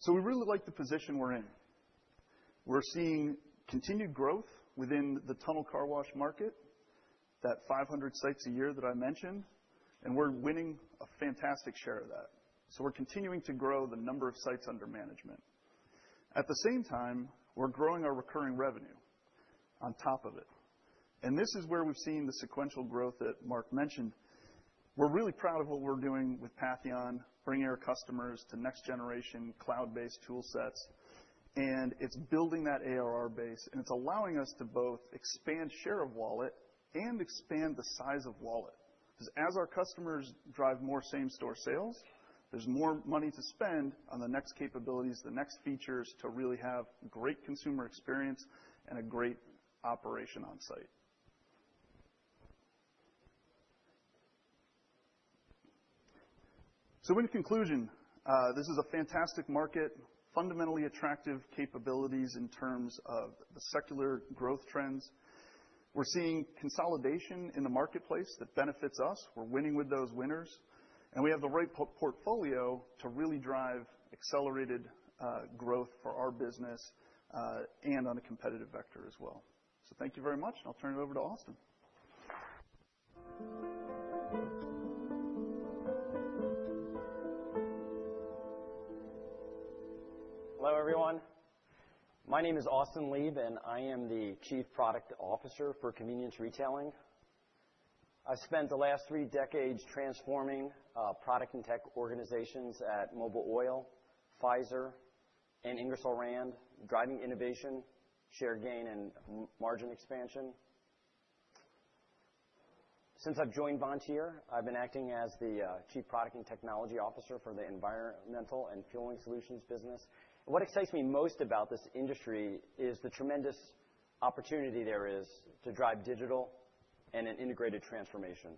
E: So we really like the position we're in. We're seeing continued growth within the tunnel car wash market, that 500 sites a year that I mentioned, and we're winning a fantastic share of that. So we're continuing to grow the number of sites under management. At the same time, we're growing our recurring revenue on top of it. And this is where we've seen the sequential growth that Mark mentioned. We're really proud of what we're doing with Pantheon, bringing our customers to next-generation cloud-based tool sets. And it's building that ARR base, and it's allowing us to both expand share of wallet and expand the size of wallet. Because as our customers drive more same-store sales, there's more money to spend on the next capabilities, the next features to really have great consumer experience and a great operation on-site. So in conclusion, this is a fantastic market, fundamentally attractive capabilities in terms of the secular growth trends. We're seeing consolidation in the marketplace that benefits us. We're winning with those winners. And we have the right portfolio to really drive accelerated growth for our business and on a competitive vector as well. So thank you very much, and I'll turn it over to Austin.
F: Hello, everyone. My name is Austin Lieb, and I am the Chief Product Officer for Convenience Retailing. I've spent the last three decades transforming product and tech organizations at Mobil Oil, Pfizer, and Ingersoll Rand, driving innovation, share gain, and margin expansion. Since I've joined Vontier, I've been acting as the Chief Product and Technology Officer for the environmental and fueling solutions business. What excites me most about this industry is the tremendous opportunity there is to drive digital and an integrated transformation.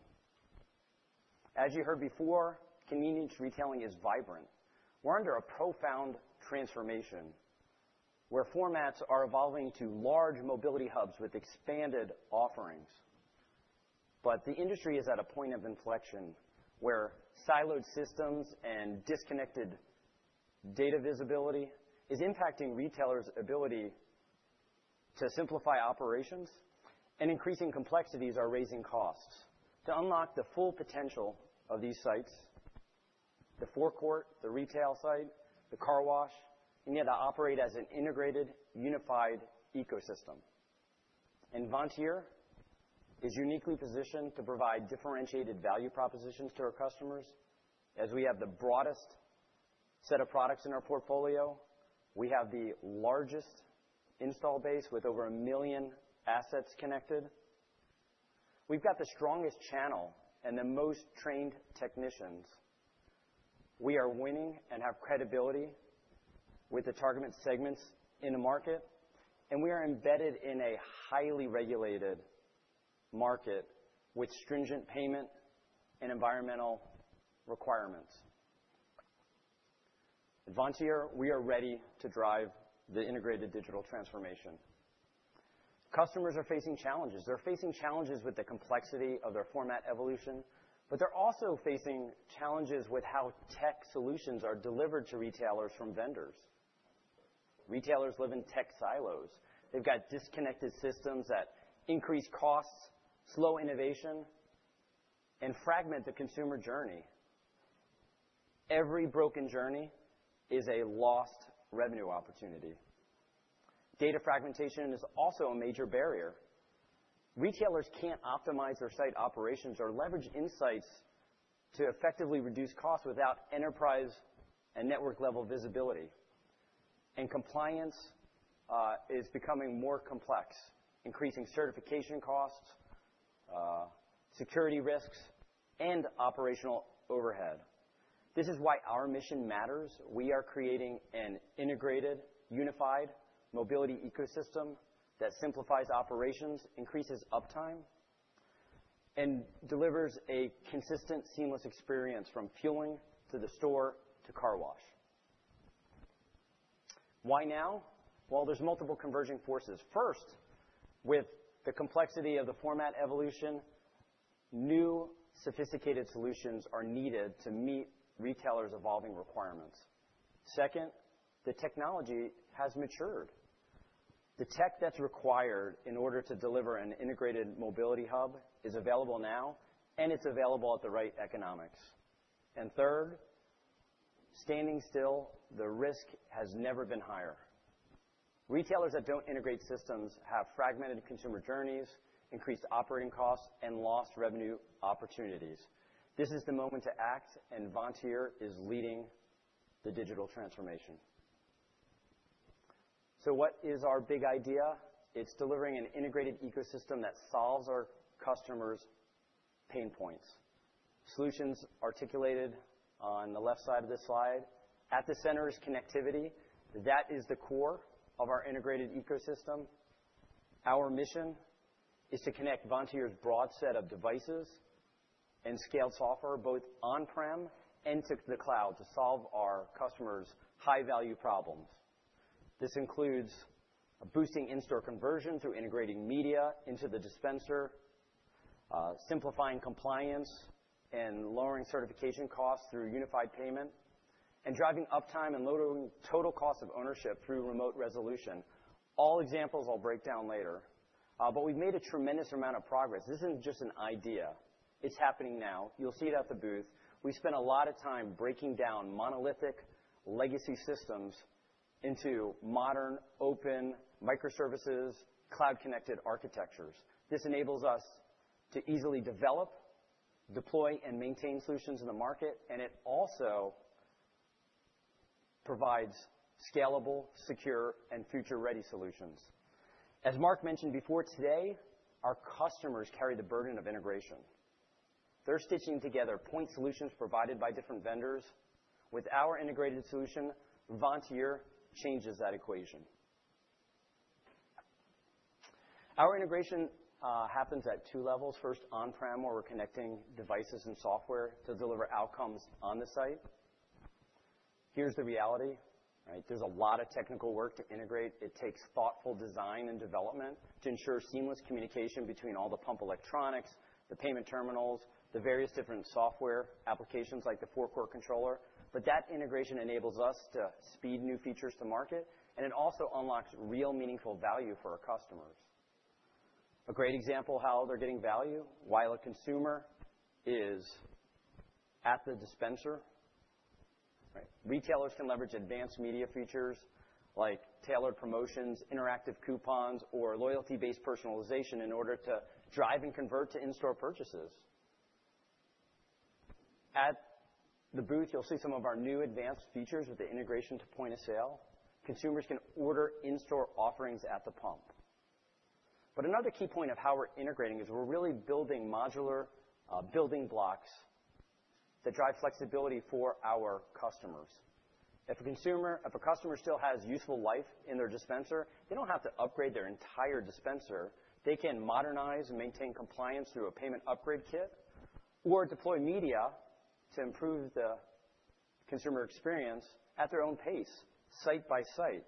F: As you heard before, convenience retailing is vibrant. We're under a profound transformation where formats are evolving to large mobility hubs with expanded offerings. But the industry is at a point of inflection where siloed systems and disconnected data visibility are impacting retailers' ability to simplify operations, and increasing complexities are raising costs. To unlock the full potential of these sites, the forecourt, the retail site, the car wash, we need to operate as an integrated, unified ecosystem. And Vontier is uniquely positioned to provide differentiated value propositions to our customers. As we have the broadest set of products in our portfolio, we have the largest install base with over a million assets connected. We've got the strongest channel and the most trained technicians. We are winning and have credibility with the targeted segments in the market, and we are embedded in a highly regulated market with stringent payment and environmental requirements. At Vontier, we are ready to drive the integrated digital transformation. Customers are facing challenges. They're facing challenges with the complexity of their format evolution, but they're also facing challenges with how tech solutions are delivered to retailers from vendors. Retailers live in tech silos. They've got disconnected systems that increase costs, slow innovation, and fragment the consumer journey. Every broken journey is a lost revenue opportunity. Data fragmentation is also a major barrier. Retailers can't optimize their site operations or leverage insights to effectively reduce costs without enterprise and network-level visibility. And compliance is becoming more complex, increasing certification costs, security risks, and operational overhead. This is why our mission matters. We are creating an integrated, unified mobility ecosystem that simplifies operations, increases uptime, and delivers a consistent, seamless experience from fueling to the store to car wash. Why now? Well, there's multiple converging forces. First, with the complexity of the format evolution, new sophisticated solutions are needed to meet retailers' evolving requirements. Second, the technology has matured. The tech that's required in order to deliver an integrated mobility hub is available now, and it's available at the right economics. And third, standing still, the risk has never been higher. Retailers that don't integrate systems have fragmented consumer journeys, increased operating costs, and lost revenue opportunities. This is the moment to act, and Vontier is leading the digital transformation. So what is our big idea? It's delivering an integrated ecosystem that solves our customers' pain points. Solutions articulated on the left side of this slide. At the center is connectivity. That is the core of our integrated ecosystem. Our mission is to connect Vontier's broad set of devices and scaled software both on-prem and to the cloud to solve our customers' high-value problems. This includes boosting in-store conversion through integrating media into the dispenser, simplifying compliance and lowering certification costs through unified payment, and driving uptime and lowering total cost of ownership through remote resolution. All examples I'll break down later. But we've made a tremendous amount of progress. This isn't just an idea. It's happening now. You'll see it at the booth. We spent a lot of time breaking down monolithic legacy systems into modern, open microservices, cloud-connected architectures. This enables us to easily develop, deploy, and maintain solutions in the market, and it also provides scalable, secure, and future-ready solutions. As Mark mentioned before, today, our customers carry the burden of integration. They're stitching together point solutions provided by different vendors. With our integrated solution, Vontier changes that equation. Our integration happens at two levels. First, on-prem, where we're connecting devices and software to deliver outcomes on the site. Here's the reality, right? There's a lot of technical work to integrate. It takes thoughtful design and development to ensure seamless communication between all the pump electronics, the payment terminals, the various different software applications like the forecourt controller. But that integration enables us to speed new features to market, and it also unlocks real, meaningful value for our customers. A great example of how they're getting value, while a consumer is at the dispenser, right? Retailers can leverage advanced media features like tailored promotions, interactive coupons, or loyalty-based personalization in order to drive and convert to in-store purchases. At the booth, you'll see some of our new advanced features with the integration to point of sale. Consumers can order in-store offerings at the pump. But another key point of how we're integrating is we're really building modular building blocks that drive flexibility for our customers. If a consumer still has useful life in their dispenser, they don't have to upgrade their entire dispenser. They can modernize and maintain compliance through a payment upgrade kit or deploy media to improve the consumer experience at their own pace, site by site.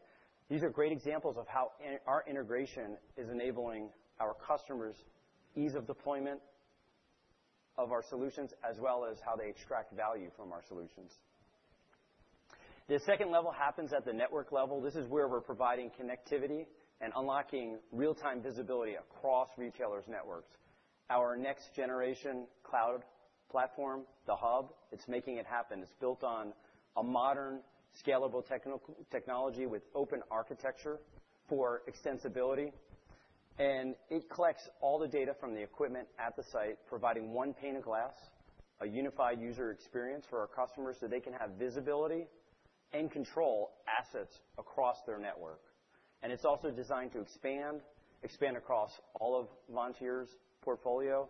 F: These are great examples of how our integration is enabling our customers' ease of deployment of our solutions, as well as how they extract value from our solutions. The second level happens at the network level. This is where we're providing connectivity and unlocking real-time visibility across retailers' networks. Our next-generation cloud platform, the Hub, it's making it happen. It's built on a modern, scalable technology with open architecture for extensibility. And it collects all the data from the equipment at the site, providing one pane of glass, a unified user experience for our customers so they can have visibility and control assets across their network. And it's also designed to expand, expand across all of Vontier's portfolio,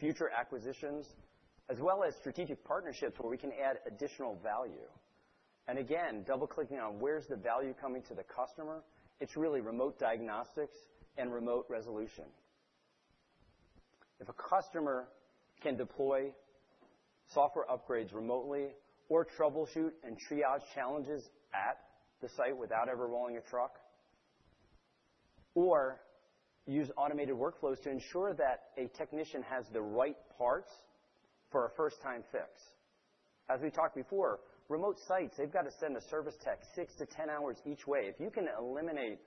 F: future acquisitions, as well as strategic partnerships where we can add additional value. And again, double-clicking on where's the value coming to the customer, it's really remote diagnostics and remote resolution. If a customer can deploy software upgrades remotely or troubleshoot and triage challenges at the site without ever rolling a truck, or use automated workflows to ensure that a technician has the right parts for a first-time fix. As we talked before, remote sites, they've got to send a service tech six to 10 hours each way. If you can eliminate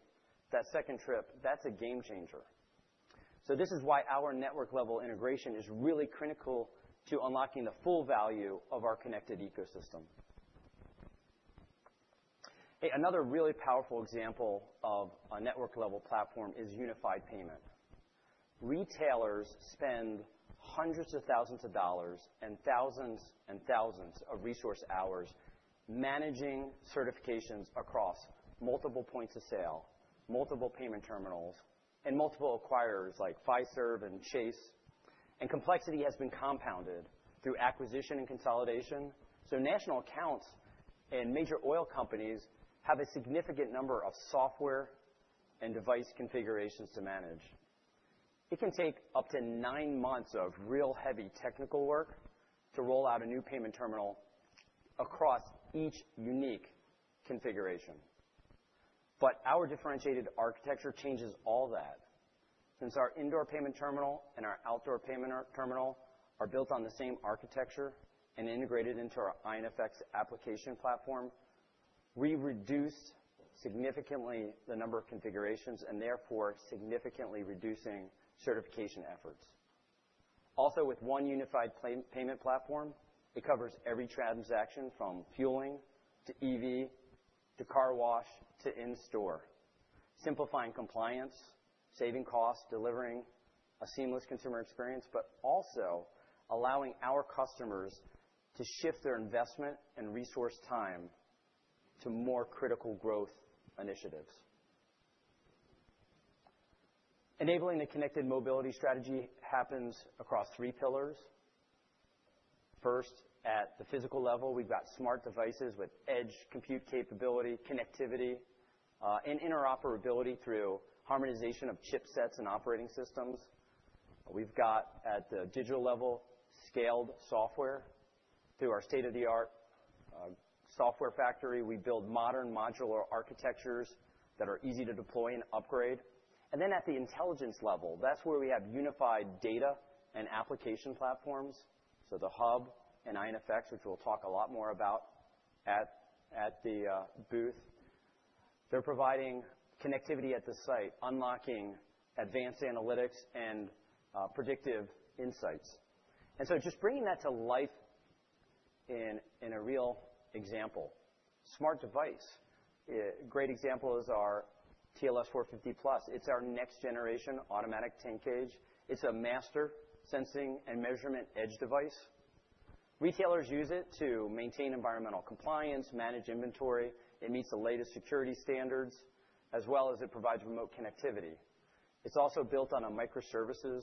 F: that second trip, that's a game changer. So this is why our network-level integration is really critical to unlocking the full value of our connected ecosystem. Another really powerful example of a network-level platform is unified payment. Retailers spend hundreds of thousands of dollars and thousands and thousands of resource hours managing certifications across multiple points of sale, multiple payment terminals, and multiple acquirers like Fiserv and Chase. And complexity has been compounded through acquisition and consolidation. So national accounts and major oil companies have a significant number of software and device configurations to manage. It can take up to nine months of real heavy technical work to roll out a new payment terminal across each unique configuration. But our differentiated architecture changes all that. Since our indoor payment terminal and our outdoor payment terminal are built on the same architecture and integrated into our iNFX application platform, we reduce significantly the number of configurations and therefore significantly reducing certification efforts. Also, with one unified payment platform, it covers every transaction from fueling to EV to car wash to in-store, simplifying compliance, saving costs, delivering a seamless consumer experience, but also allowing our customers to shift their investment and resource time to more critical growth initiatives. Enabling the connected mobility strategy happens across three pillars. First, at the physical level, we've got smart devices with edge compute capability, connectivity, and interoperability through harmonization of chipsets and operating systems. We've got, at the digital level, scaled software through our state-of-the-art software factory. We build modern modular architectures that are easy to deploy and upgrade. And then at the intelligence level, that's where we have unified data and application platforms. So The Hub and iNFX, which we'll talk a lot more about at the booth, they're providing connectivity at the site, unlocking advanced analytics and predictive insights. Just bringing that to life in a real example. Smart device, a great example is our TLS-450Plus. It's our next-generation automatic tank gauge. It's a master sensing and measurement edge device. Retailers use it to maintain environmental compliance, manage inventory. It meets the latest security standards, as well as it provides remote connectivity. It's also built on a microservices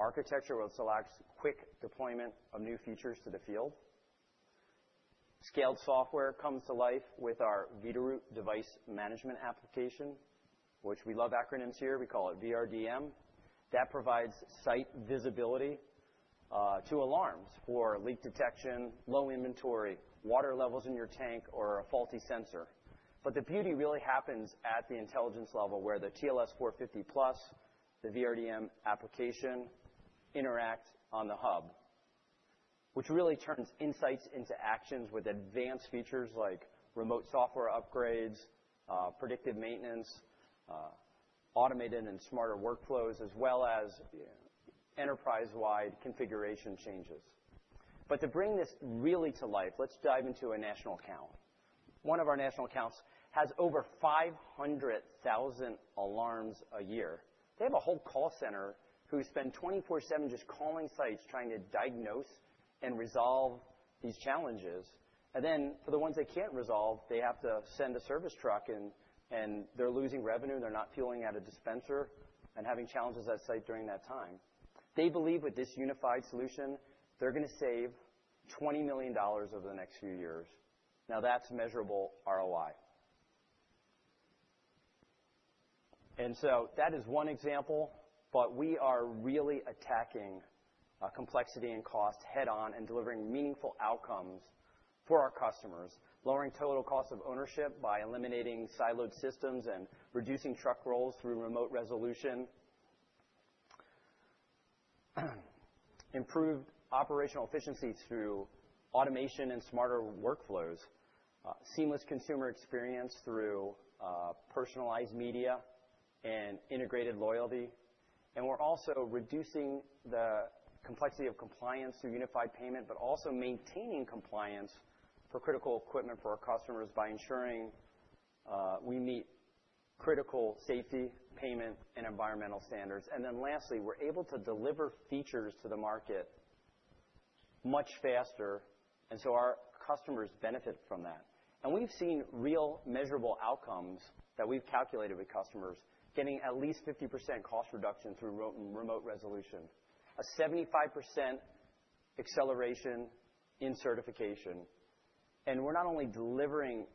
F: architecture where it selects quick deployment of new features to the field. SaaS software comes to life with our Veeder-Root Device Management application, which we love acronyms here. We call it VRDM. That provides site visibility to alarms for leak detection, low inventory, water levels in your tank, or a faulty sensor. But the beauty really happens at the intelligence level where the TLS-450Plus, the VRDM application interact on the hub, which really turns insights into actions with advanced features like remote software upgrades, predictive maintenance, automated and smarter workflows, as well as enterprise-wide configuration changes. But to bring this really to life, let's dive into a national account. One of our national accounts has over 500,000 alarms a year. They have a whole call center who spend 24/7 just calling sites trying to diagnose and resolve these challenges. And then for the ones they can't resolve, they have to send a service truck, and they're losing revenue, and they're not fueling at a dispenser and having challenges at site during that time. They believe with this unified solution, they're going to save $20 million over the next few years. Now that's measurable ROI. And so that is one example, but we are really attacking complexity and cost head-on and delivering meaningful outcomes for our customers, lowering total cost of ownership by eliminating siloed systems and reducing truck rolls through remote resolution, improved operational efficiency through automation and smarter workflows, seamless consumer experience through personalized media and integrated loyalty. And we're also reducing the complexity of compliance through unified payment, but also maintaining compliance for critical equipment for our customers by ensuring we meet critical safety, payment, and environmental standards. And then lastly, we're able to deliver features to the market much faster, and so our customers benefit from that. And we've seen real measurable outcomes that we've calculated with customers getting at least 50% cost reduction through remote resolution, a 75% acceleration in certification. and we're not only delivering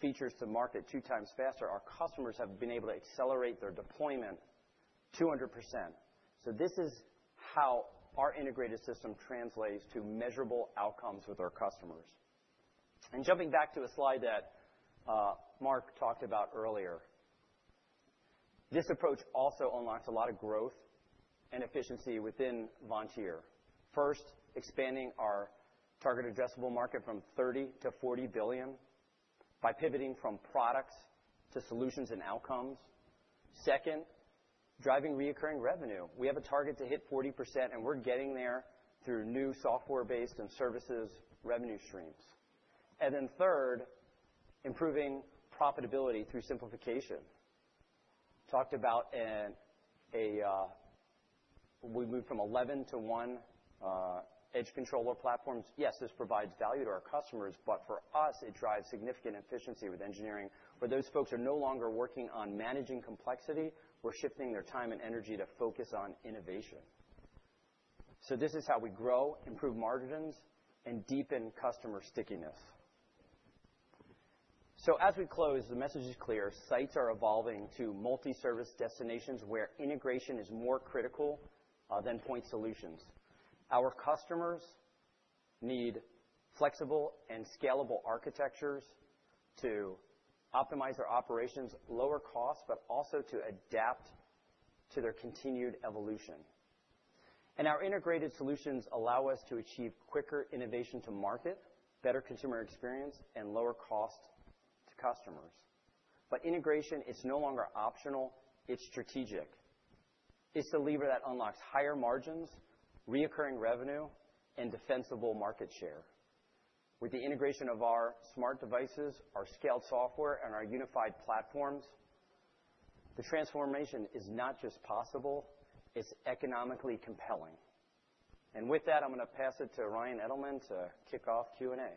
F: features to market two times faster. Our customers have been able to accelerate their deployment 200%. so this is how our integrated system translates to measurable outcomes with our customers. and jumping back to a slide that Mark talked about earlier, this approach also unlocks a lot of growth and efficiency within Vontier. First, expanding our target addressable market from $30 billion-$40 billion by pivoting from products to solutions and outcomes. Second, driving recurring revenue. We have a target to hit 40%, and we're getting there through new software-based and services revenue streams. and then third, improving profitability through simplification. Talked about how we moved from 11 to one edge controller platforms. Yes, this provides value to our customers, but for us, it drives significant efficiency with engineering. Where those folks are no longer working on managing complexity, we're shifting their time and energy to focus on innovation, so this is how we grow, improve margins, and deepen customer stickiness, so as we close, the message is clear. Sites are evolving to multi-service destinations where integration is more critical than point solutions. Our customers need flexible and scalable architectures to optimize their operations, lower costs, but also to adapt to their continued evolution, and our integrated solutions allow us to achieve quicker innovation to market, better consumer experience, and lower cost to customers, but integration, it's no longer optional. It's strategic. It's the lever that unlocks higher margins, recurring revenue, and defensible market share. With the integration of our smart devices, our scaled software, and our unified platforms, the transformation is not just possible. It's economically compelling.
A: With that, I'm going to pass it to Ryan Edelman to kick off Q&A.